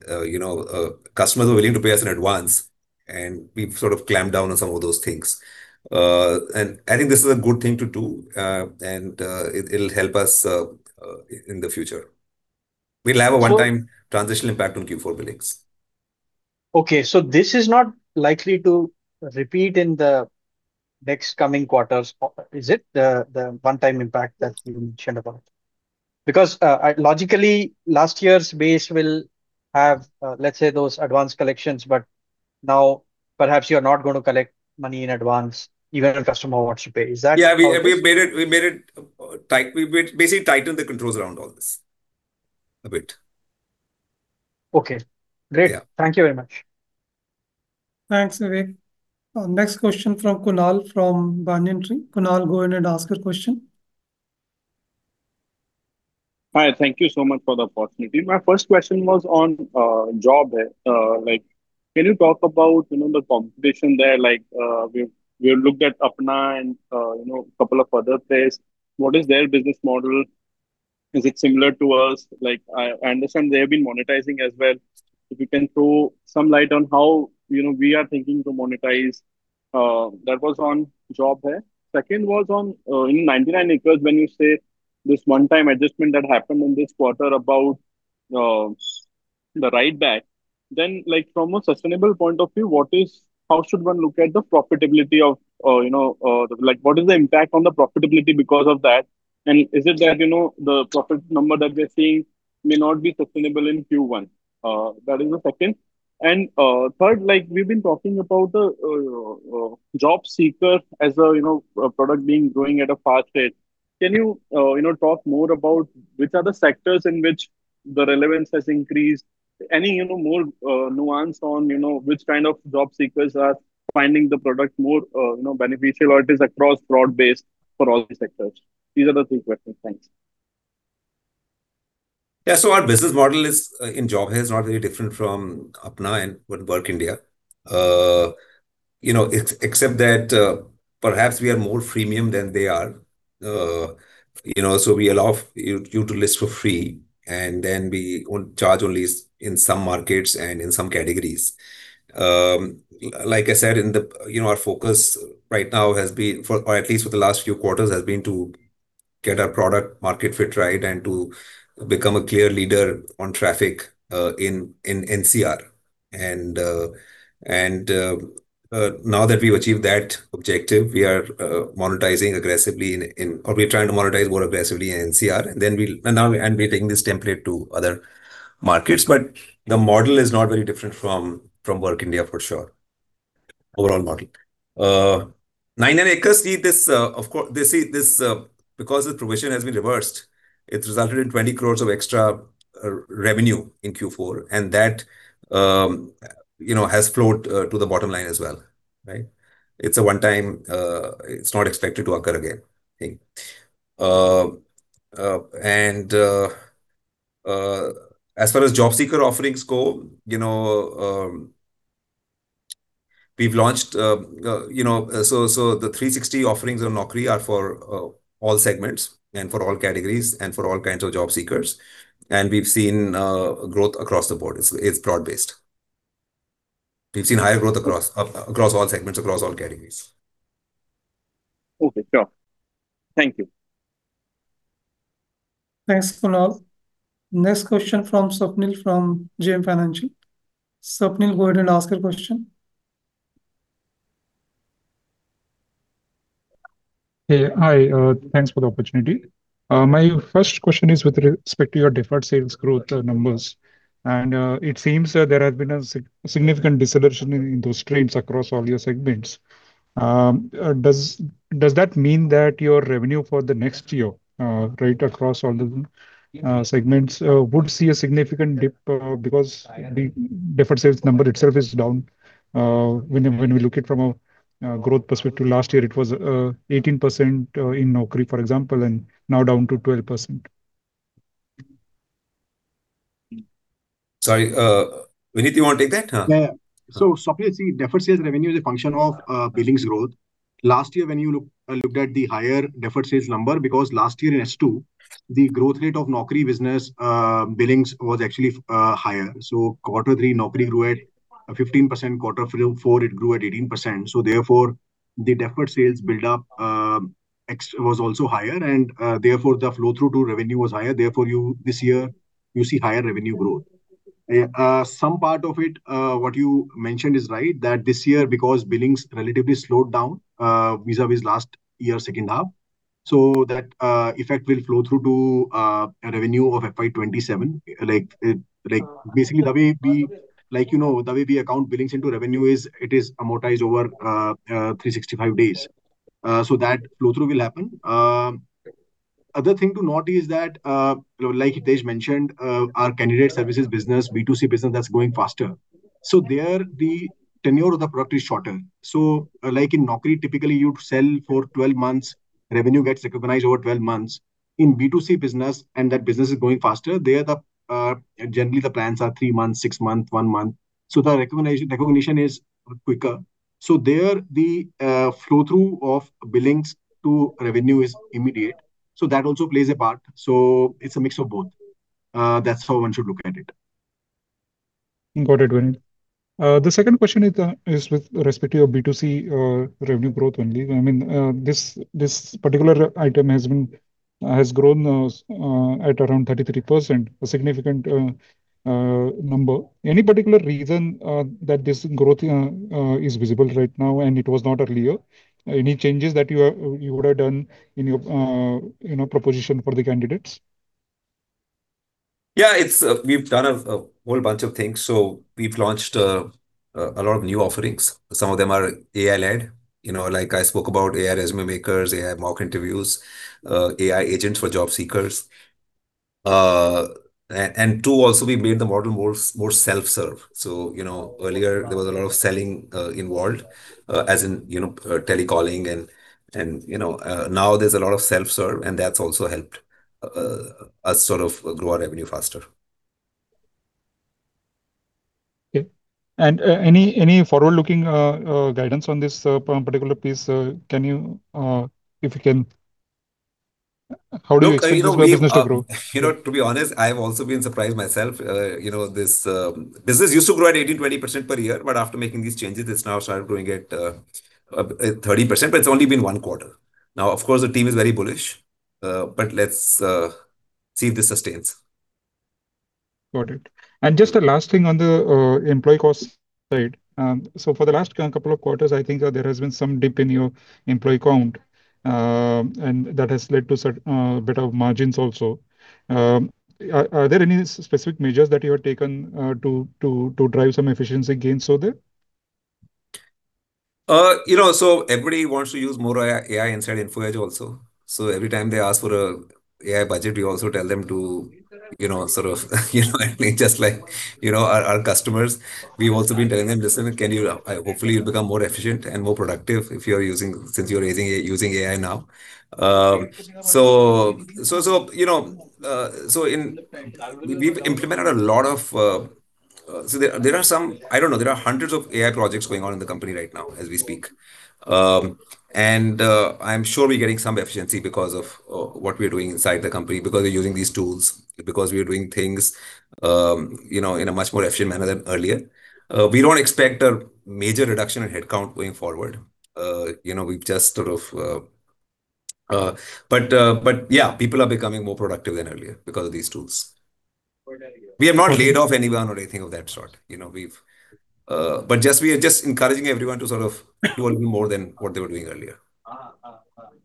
Customers are willing to pay us in advance, and we've sort of clamped down on some of those things. I think this is a good thing to do, and it'll help us in the future. We'll have a one-time transitional impact on Q4 billings. Okay. This is not likely to repeat in the next coming quarters, is it? The one-time impact that you mentioned about. Logically, last year's base will have, let's say, those advance collections, but now perhaps you're not going to collect money in advance even if a customer wants to pay. Is that correct? Yeah. We basically tightened the controls around all this a bit. Okay, great. Yeah. Thank you very much. Thanks, Vivek. Next question from Kunal from Banyan Tree. Kunal, go ahead and ask your question. Hi. Thank you so much for the opportunity. My first question was on Job Hai. Can you talk about the competition there? We've looked at Apna and a couple of other players. What is their business model? Is it similar to us? I understand they have been monetizing as well. If you can throw some light on how we are thinking to monetize. That was on Job Hai. Second was on, in 99acres, when you say this one-time adjustment that happened in this quarter about the write back, then from a sustainable point of view, how should one look at the impact on the profitability because of that, and is it that the profit number that we're seeing may not be sustainable in Q1? That is the second. Third, we've been talking about job seeker as a product being growing at a fast rate. Can you talk more about which are the sectors in which the relevance has increased? Any more nuance on which kind of job seekers are finding the product more beneficial, or it is across broad-based for all the sectors? These are the three questions. Thanks. Yeah. Our business model is, in Job Hai, is not very different from Apna and WorkIndia. Except that perhaps we are more freemium than they are. We allow you to list for free, and then we charge only in some markets and in some categories. Like I said, our focus right now has been, or at least for the last few quarters, has been to get our product market fit right and to become a clear leader on traffic in NCR. Now that we've achieved that objective, we are monetizing aggressively or we're trying to monetize more aggressively in NCR. We're taking this template to other markets. The model is not very different from WorkIndia, for sure. Overall model. 99acres, because the provision has been reversed, it resulted in 20 crores of extra revenue in Q4, and that has flowed to the bottom line as well. Right? It's a one-time. It's not expected to occur again. As far as job seeker offerings go, we've launched—the 360 offerings on Naukri are for all segments and for all categories and for all kinds of job seekers, and we've seen growth across the board. It's broad-basetd. We've seen higher growth across all segments, across all categories. Okay, sure. Thank you. Thanks, Kunal. Next question from Swapnil from JM Financial. Swapnil, go ahead and ask your question. Hey. Hi. Thanks for the opportunity. My first question is with respect to your deferred sales growth numbers. It seems that there has been a significant deceleration in those trends across all your segments. Does that mean that your revenue for the next year, right across all the segments, would see a significant dip because the deferred sales number itself is down? When we look at it from a growth perspective, last year, it was 18% in Naukri, for example, and now down to 12%. Sorry. Vineet, you want to take that? Huh? Yeah. Swapnil, see, deferred sales revenue is a function of billings growth. Last year, when you looked at the higher deferred sales number, because last year in H2, the growth rate of Naukri business billings was actually higher. Quarter three, Naukri grew at 15%, quarter four, it grew at 18%. Therefore, the deferred sales buildup was also higher, and therefore, the flow-through to revenue was higher. Therefore, this year, you see higher revenue growth. Some part of it, what you mentioned is right, that this year, because billings relatively slowed down vis-à-vis last year, second half, that effect will flow through to revenue of FY 2027. Basically, the way the account billings into revenue is it is amortized over 365 days. That flow-through will happen. Other thing to note is that, like Hitesh mentioned, our candidate services business, B2C business, that's growing faster. There, the tenure of the product is shorter. In Naukri, typically, you'd sell for 12 months, revenue gets recognized over 12 months. In B2C business, and that business is growing faster, there, generally the plans are three months, six months, one month. The recognition is quicker. There, the flow-through of billings to revenue is immediate. That also plays a part. It's a mix of both. That's how one should look at it. Got it, Vineet. The second question is with respect to your B2C revenue growth only. This particular item has grown at around 33%, a significant number. Any particular reason that this growth is visible right now, and it was not earlier? Any changes that you would have done in your proposition for the candidates? Yeah. We've done a whole bunch of things. We've launched a lot of new offerings. Some of them are AI-led. Like I spoke about, AI resume makers, AI mock interviews, AI agents for job seekers. Two, also, we made the model more self-serve. Earlier there was a lot of selling involved, as in telecalling, and now there's a lot of self-serve, and that's also helped us sort of grow our revenue faster. Okay. Any forward-looking guidance on this particular piece, if you can? How do you expect this business to grow? To be honest, I've also been surprised myself. This business used to grow at 18%-20% per year, but after making these changes, it's now started growing at 30%, but it's only been one quarter. Of course, the team is very bullish. Let's see if this sustains. Got it. Just a last thing on the employee cost side. For the last couple of quarters, I think there has been some dip in your employee count, and that has led to a bit of margins also. Are there any specific measures that you have taken to drive some efficiency gains there? Everybody wants to use more AI inside Info Edge also. Every time they ask for an AI budget, we also tell them to sort of just like our customers, we've also been telling them, "Listen, hopefully you become more efficient and more productive since you're using AI now." We've implemented a lot of I don't know. There are hundreds of AI projects going on in the company right now as we speak. I'm sure we're getting some efficiency because of what we're doing inside the company, because we're using these tools, because we are doing things in a much more efficient manner than earlier. We don't expect a major reduction in headcount going forward. Yeah, people are becoming more productive than earlier because of these tools. We have not laid off anyone or anything of that sort. We are just encouraging everyone to sort of do more than what they were doing earlier.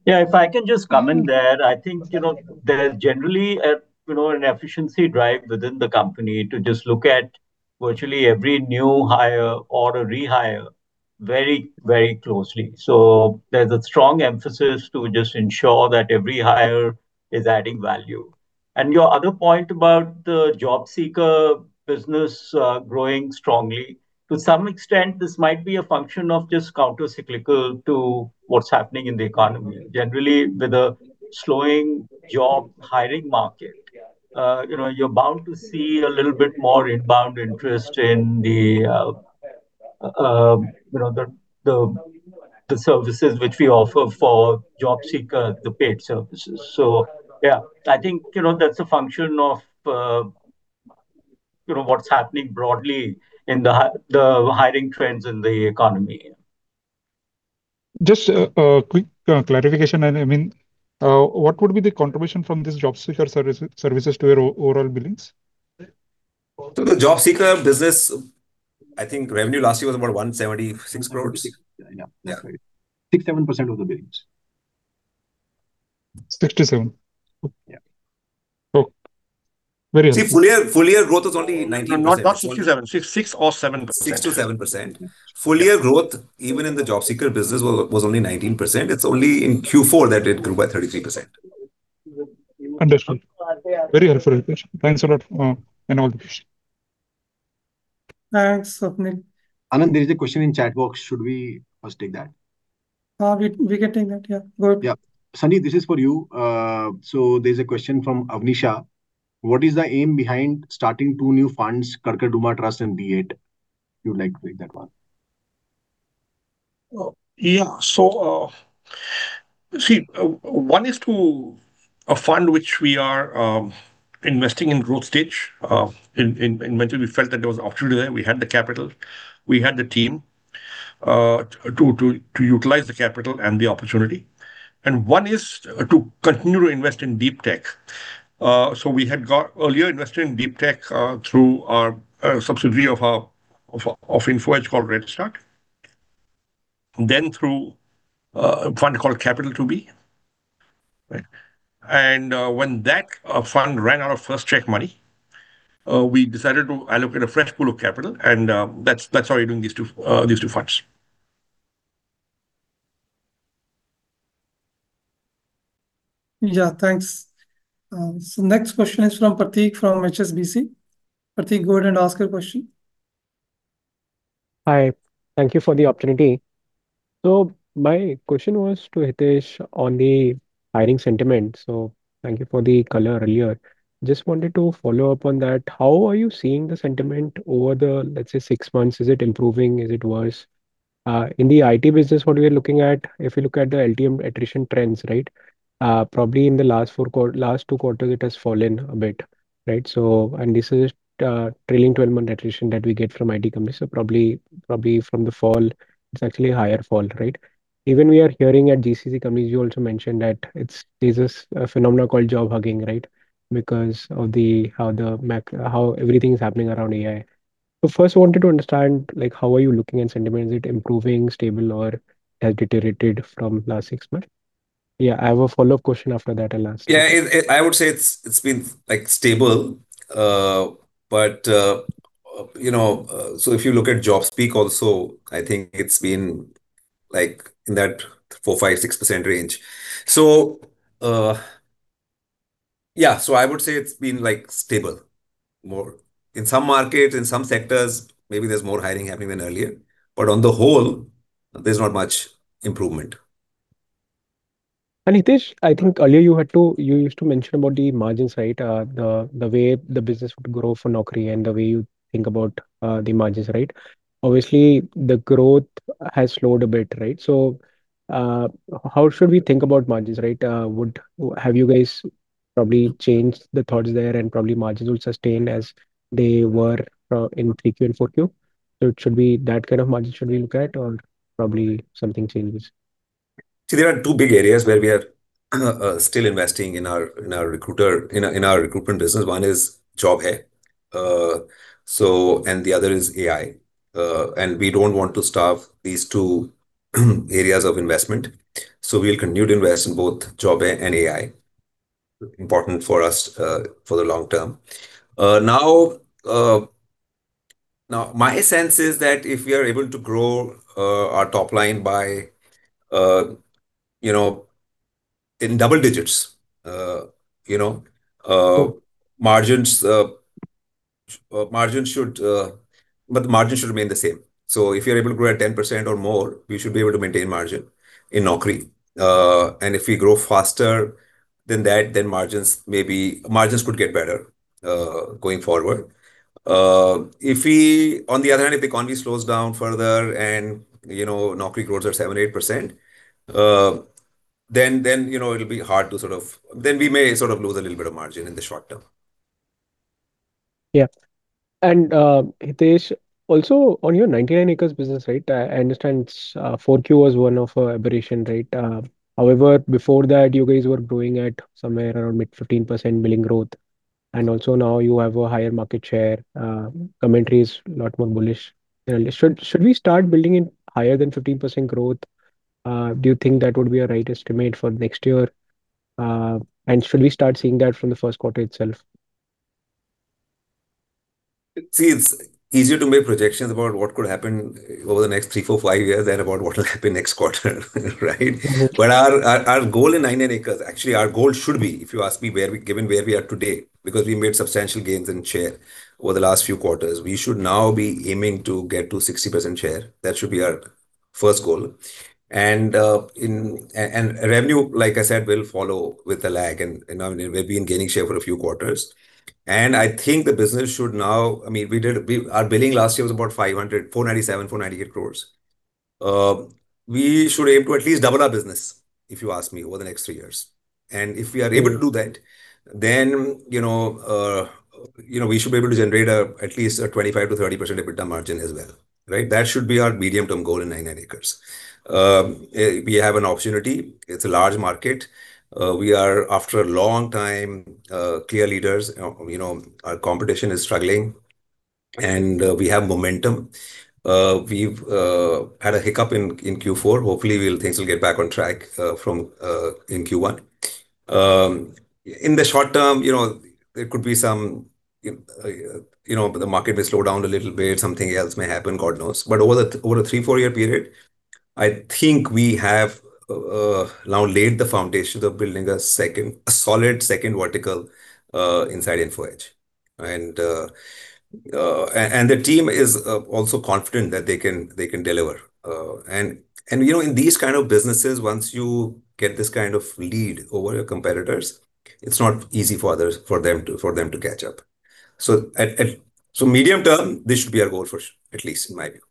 Yeah, if I can just come in there. I think there's generally an efficiency drive within the company to just look at virtually every new hire or a rehire very closely. There's a strong emphasis to just ensure that every hire is adding value. Your other point about the job seeker business growing strongly, to some extent, this might be a function of just counter-cyclical to what's happening in the economy. Generally, with a slowing job hiring market, you're bound to see a little bit more inbound interest in the services which we offer for job seeker, the paid services. Yeah, I think that's a function of what's happening broadly in the hiring trends in the economy. Just a quick clarification. What would be the contribution from this job seeker services to your overall billings? The job seeker business, I think revenue last year was about 176 crores. Yeah. That's right. 6%, 7% of the billings. 67%? Yeah. Oh. Very interesting. See, full year growth was only 19%. No, not 67%. 6% or 7%. 6%-7%. Full year growth, even in the job seeker business, was only 19%. It's only in Q4 that it grew by 33%. Understood. Very helpful, Hitesh. Thanks a lot. All the best. Thanks, Swapnil. Anand, there is a question in chat box. Should we first take that? We can take that, yeah. Go ahead. Yeah. Sanjeev, this is for you. There's a question from [Avnisha]. What is the aim behind starting two new funds, Karkardooma Trust and B8? Would you like to take that one? Yeah. See, one is to a fund which we are investing in growth stage. In mentally we felt that there was opportunity there. We had the capital, we had the team to utilize the capital and the opportunity. One is to continue to invest in deep tech. We had earlier invested in deep tech through our subsidiary of Info Edge called Redstart, then through a fund called Capital2B, right? When that fund ran out of first check money, we decided to allocate a fresh pool of capital and that's how we're doing these two funds. Yeah. Thanks. Next question is from Prateek, from HSBC. Prateek, go ahead and ask your question. Hi. Thank you for the opportunity. My question was to Hitesh on the hiring sentiment. Thank you for the color earlier. Just wanted to follow up on that. How are you seeing the sentiment over the, let's say, six months? Is it improving? Is it worse? In the IT business, what we are looking at, if you look at the LTM attrition trends. Probably in the last two quarters, it has fallen a bit. This is trailing 12-month attrition that we get from IT companies. Probably from the fall, it's actually a higher fall. Even we are hearing at GCC companies, you also mentioned that there's this phenomenon called job hugging. Because of how everything is happening around AI. First I wanted to understand, how are you looking at sentiment? Is it improving, stable, or has deteriorated from last six months? Yeah, I have a follow-up question after that I will ask you. Yeah, I would say it's been stable. If you look at JobSpeak also, I think it's been in that 4%, 5%, 6% range. Yeah. I would say it's been stable more. In some markets, in some sectors, maybe there's more hiring happening than earlier, but on the whole, there's not much improvement. Hitesh, I think earlier you used to mention about the margins, right? The way the business would grow for Naukri and the way you think about the margins, right? Obviously, the growth has slowed a bit, right? How should we think about margins, right? Have you guys probably changed the thoughts there and probably margins will sustain as they were in 3Q and 4Q? It should be that kind of margin should we look at or probably something changes? See, there are two big areas where we are still investing in our recruitment business. One is Job Hai. The other is AI. We don't want to starve these two areas of investment. We'll continue to invest in both Job Hai and AI. Important for us, for the long term. Now, my sense is that if we are able to grow our top line in double-digits, you know, margins should remain the same. If you're able to grow at 10% or more, we should be able to maintain margin in Naukri. If we grow faster than that, margins could get better, going forward. On the other hand, if the economy slows down further and Naukri grows at 7%, 8%, we may lose a little bit of margin in the short term. Yeah. Hitesh, also on your 99acres business, right? I understand 4Q was one of an aberration, right? However, before that, you guys were growing at somewhere around mid 15% billing growth. Also now you have a higher market share. Commentary is a lot more bullish. Should we start building in higher than 15% growth? Do you think that would be a right estimate for next year? Should we start seeing that from the first quarter itself? See, it's easier to make projections about what could happen over the next three, four, five years than about what will happen next quarter, right? Actually, our goal should be, if you ask me, given where we are today, because we made substantial gains in share over the last few quarters. We should now be aiming to get to 60% share. That should be our first goal. Revenue, like I said, will follow with a lag. We've been gaining share for a few quarters. Our billing last year was about 500, 497, 498 crores. We should aim to at least double our business, if you ask me, over the next three years. We should be able to generate at least a 25%-30% EBITDA margin as well. That should be our medium-term goal in 99acres. We have an opportunity. It's a large market. We are, after a long time, clear leaders. Our competition is struggling, and we have momentum. We've had a hiccup in Q4. Hopefully, things will get back on track in Q1. In the short term, the market may slow down a little bit, something else may happen, God knows. Over a three, four-year period, I think we have now laid the foundations of building a solid second vertical inside Info Edge. The team is also confident that they can deliver. In these kinds of businesses, once you get this kind of lead over your competitors, it's not easy for them to catch up. Medium-term, this should be our goal for sure, at least in my view.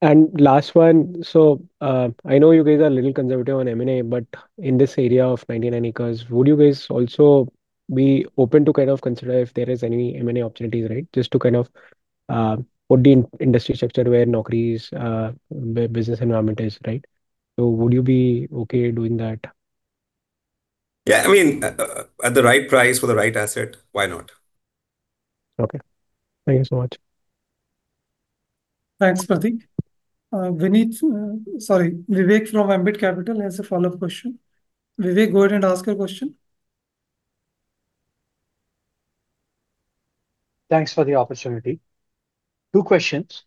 Last one. I know you guys are a little conservative on M&A, but in this area of 99acres, would you guys also be open to consider if there is any M&A opportunities? Just to put the industry structure where Naukri's business environment is. Would you be okay doing that? Yeah, at the right price for the right asset, why not? Okay. Thank you so much. Thanks, Prateek. Vivek from Ambit Capital has a follow-up question. Vivek, go ahead and ask your question. Thanks for the opportunity. Two questions.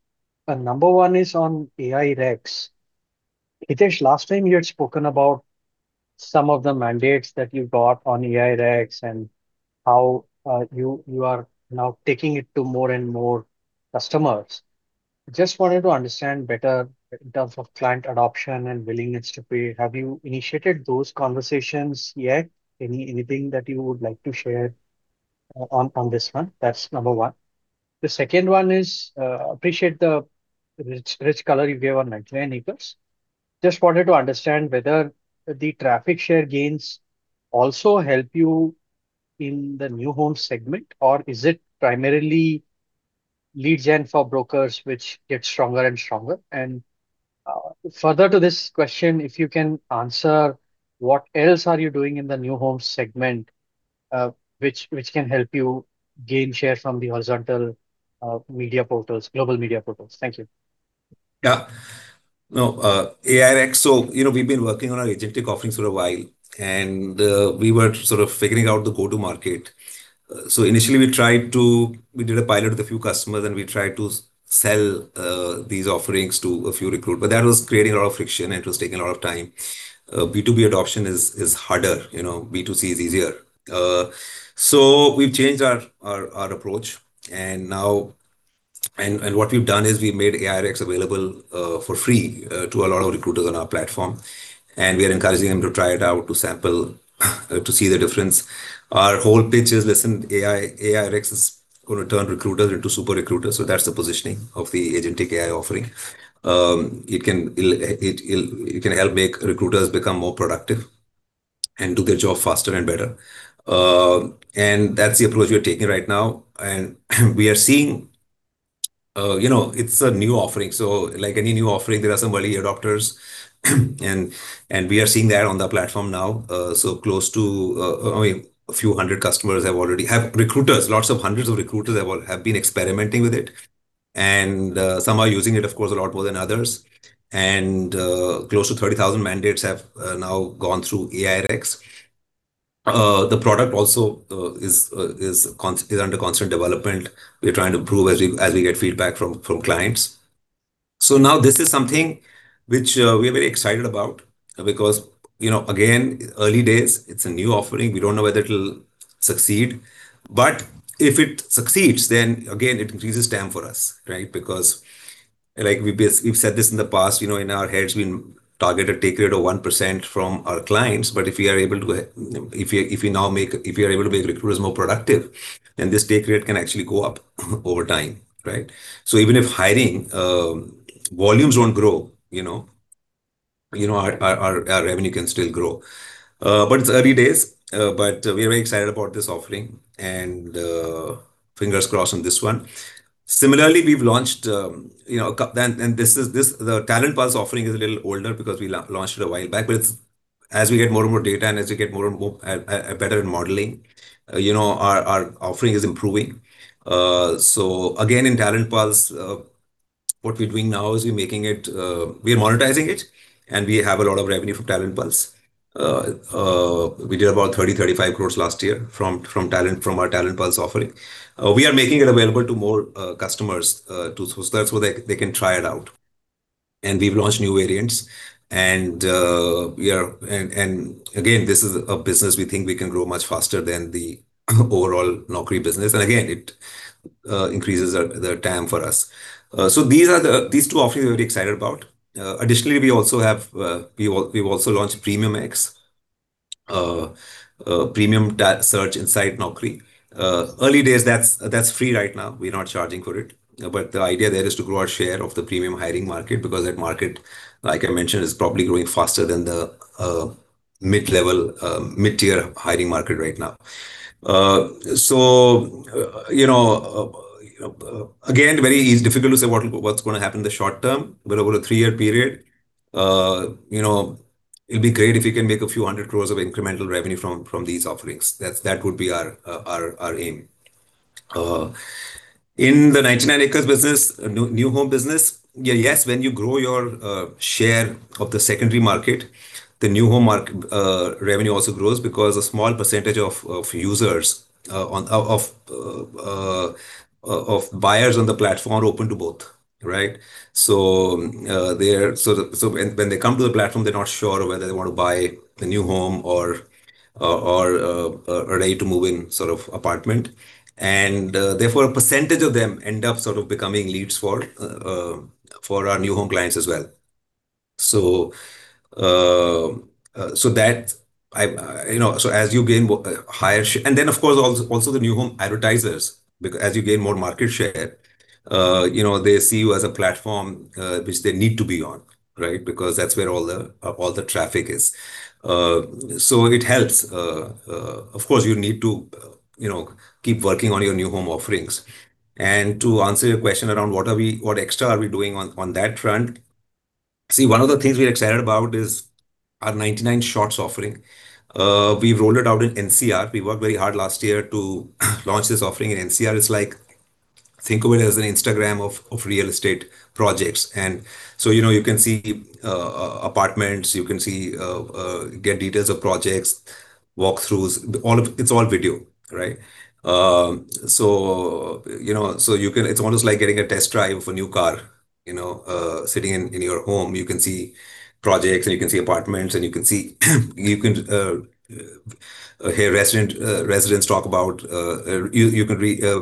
Number one is on AI REX. Hitesh, last time you had spoken about some of the mandates that you got on AI REX and how you are now taking it to more and more customers. Just wanted to understand better in terms of client adoption and willingness to pay. Have you initiated those conversations yet? Anything that you would like to share on this one? That's number one. The second one is, appreciate the rich color you gave on 99acres. Just wanted to understand whether the traffic share gains also help you in the new home segment, or is it primarily lead gen for brokers which gets stronger and stronger. Further to this question, if you can answer, what else are you doing in the new home segment which can help you gain share from the horizontal media portals, global media portals? Thank you. Yeah. AI REX. We've been working on our agentic offerings for a while, and we were sort of figuring out the go-to market. Initially, we did a pilot with a few customers, and we tried to sell these offerings to a few recruiters. That was creating a lot of friction, and it was taking a lot of time. B2B adoption is harder. B2C is easier. We've changed our approach, and what we've done is we made AI REX available for free to a lot of recruiters on our platform. We are encouraging them to try it out, to sample, to see the difference. Our whole pitch is, "Listen, AI REX is going to turn recruiters into super recruiters." That's the positioning of the agentic AI offering. It can help make recruiters become more productive and do their job faster and better. That's the approach we're taking right now. We are seeing it's a new offering. Like any new offering, there are some early adopters, and we are seeing that on the platform now. Close to a few 100 customers, recruiters. Lots of hundreds of recruiters have been experimenting with it. Some are using it, of course, a lot more than others. Close to 30,000 mandates have now gone through AI REX. The product also is under constant development. We're trying to improve as we get feedback from clients. Now this is something which we are very excited about because, again, early days, it's a new offering. We don't know whether it'll succeed. If it succeeds, then again, it increases TAM for us. Because we've said this in the past, in our heads, we target a take rate of 1% from our clients. If you are able to make recruiters more productive, then this take rate can actually go up over time. Right? Even if hiring volumes won't grow, our revenue can still grow. It's early days. We are very excited about this offering, and fingers crossed on this one. Similarly, the Talent Pulse offering is a little older because we launched it a while back. As we get more and more data and as we get better in modeling, our offering is improving. Again, in Talent Pulse, what we're doing now is we're monetizing it, and we have a lot of revenue from Talent Pulse. We did about 30 crore-35 crore last year from our Talent Pulse offering. We are making it available to more customers so that they can try it out. We've launched new variants. Again, this is a business we think we can grow much faster than the overall Naukri business. Again, it increases the TAM for us. These two offerings we're very excited about. Additionally, we've also launched PremiumX, premium search inside Naukri. Early days, that's free right now. We're not charging for it. The idea there is to grow our share of the premium hiring market, because that market, like I mentioned, is probably growing faster than the mid-level, mid-tier hiring market right now. Again, very difficult to say what's going to happen in the short term. Over a three-year period, it'll be great if we can make a few hundred crores of incremental revenue from these offerings. That would be our aim. In the 99acres business, new home business, yes, when you grow your share of the secondary market, the new home revenue also grows because a small percentage of buyers on the platform are open to both. Right? When they come to the platform, they're not sure whether they want to buy the new home or a ready-to-move-in apartment. Therefore, a percentage of them end up becoming leads for our new home clients as well. Then, of course, also the new home advertisers, as you gain more market share, they see you as a platform which they need to be on, because that's where all the traffic is. It helps. Of course, you need to keep working on your new home offerings. To answer your question around what extra are we doing on that front, one of the things we're excited about is our 99shorts offering. We've rolled it out in NCR. We worked very hard last year to launch this offering in NCR. It's like think of it as an Instagram of real estate projects. You can see apartments, you can get details of projects, walkthroughs. It's all video, right? It's almost like getting a test drive of a new car. Sitting in your home, you can see projects and you can see apartments and you can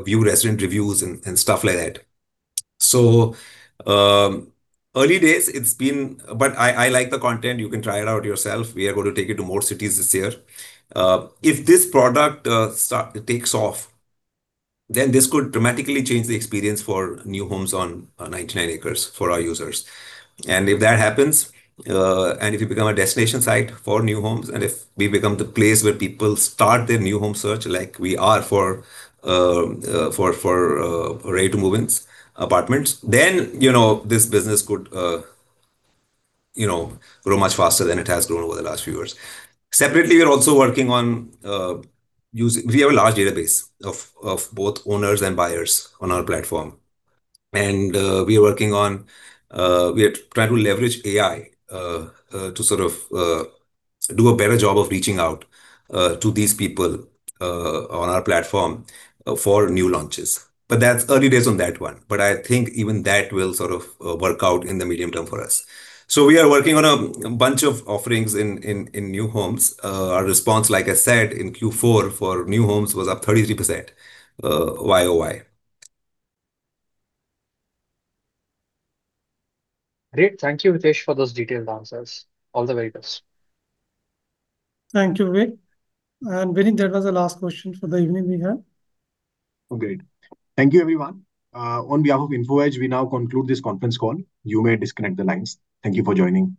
view resident reviews and stuff like that. Early days it's been, but I like the content. You can try it out yourself. We are going to take it to more cities this year. If this product takes off, then this could dramatically change the experience for new homes on 99acres for our users. If that happens, and if we become a destination site for new homes, and if we become the place where people start their new home search like we are for ready-to-move-in apartments, then this business could grow much faster than it has grown over the last few years. Separately, we are also working on. We have a large database of both owners and buyers on our platform. We are working on trying to leverage AI to do a better job of reaching out to these people on our platform for new launches. That's early days on that one. I think even that will work out in the medium term for us. We are working on a bunch of offerings in new homes. Our response, like I said, in Q4 for new homes was up 33% YoY. Great. Thank you, Hitesh, for those detailed answers. All the very best. Thank you, Vivek. Vineet, that was the last question for the evening we have. Great. Thank you everyone. On behalf of Info Edge, we now conclude this conference call. You may disconnect the lines. Thank you for joining.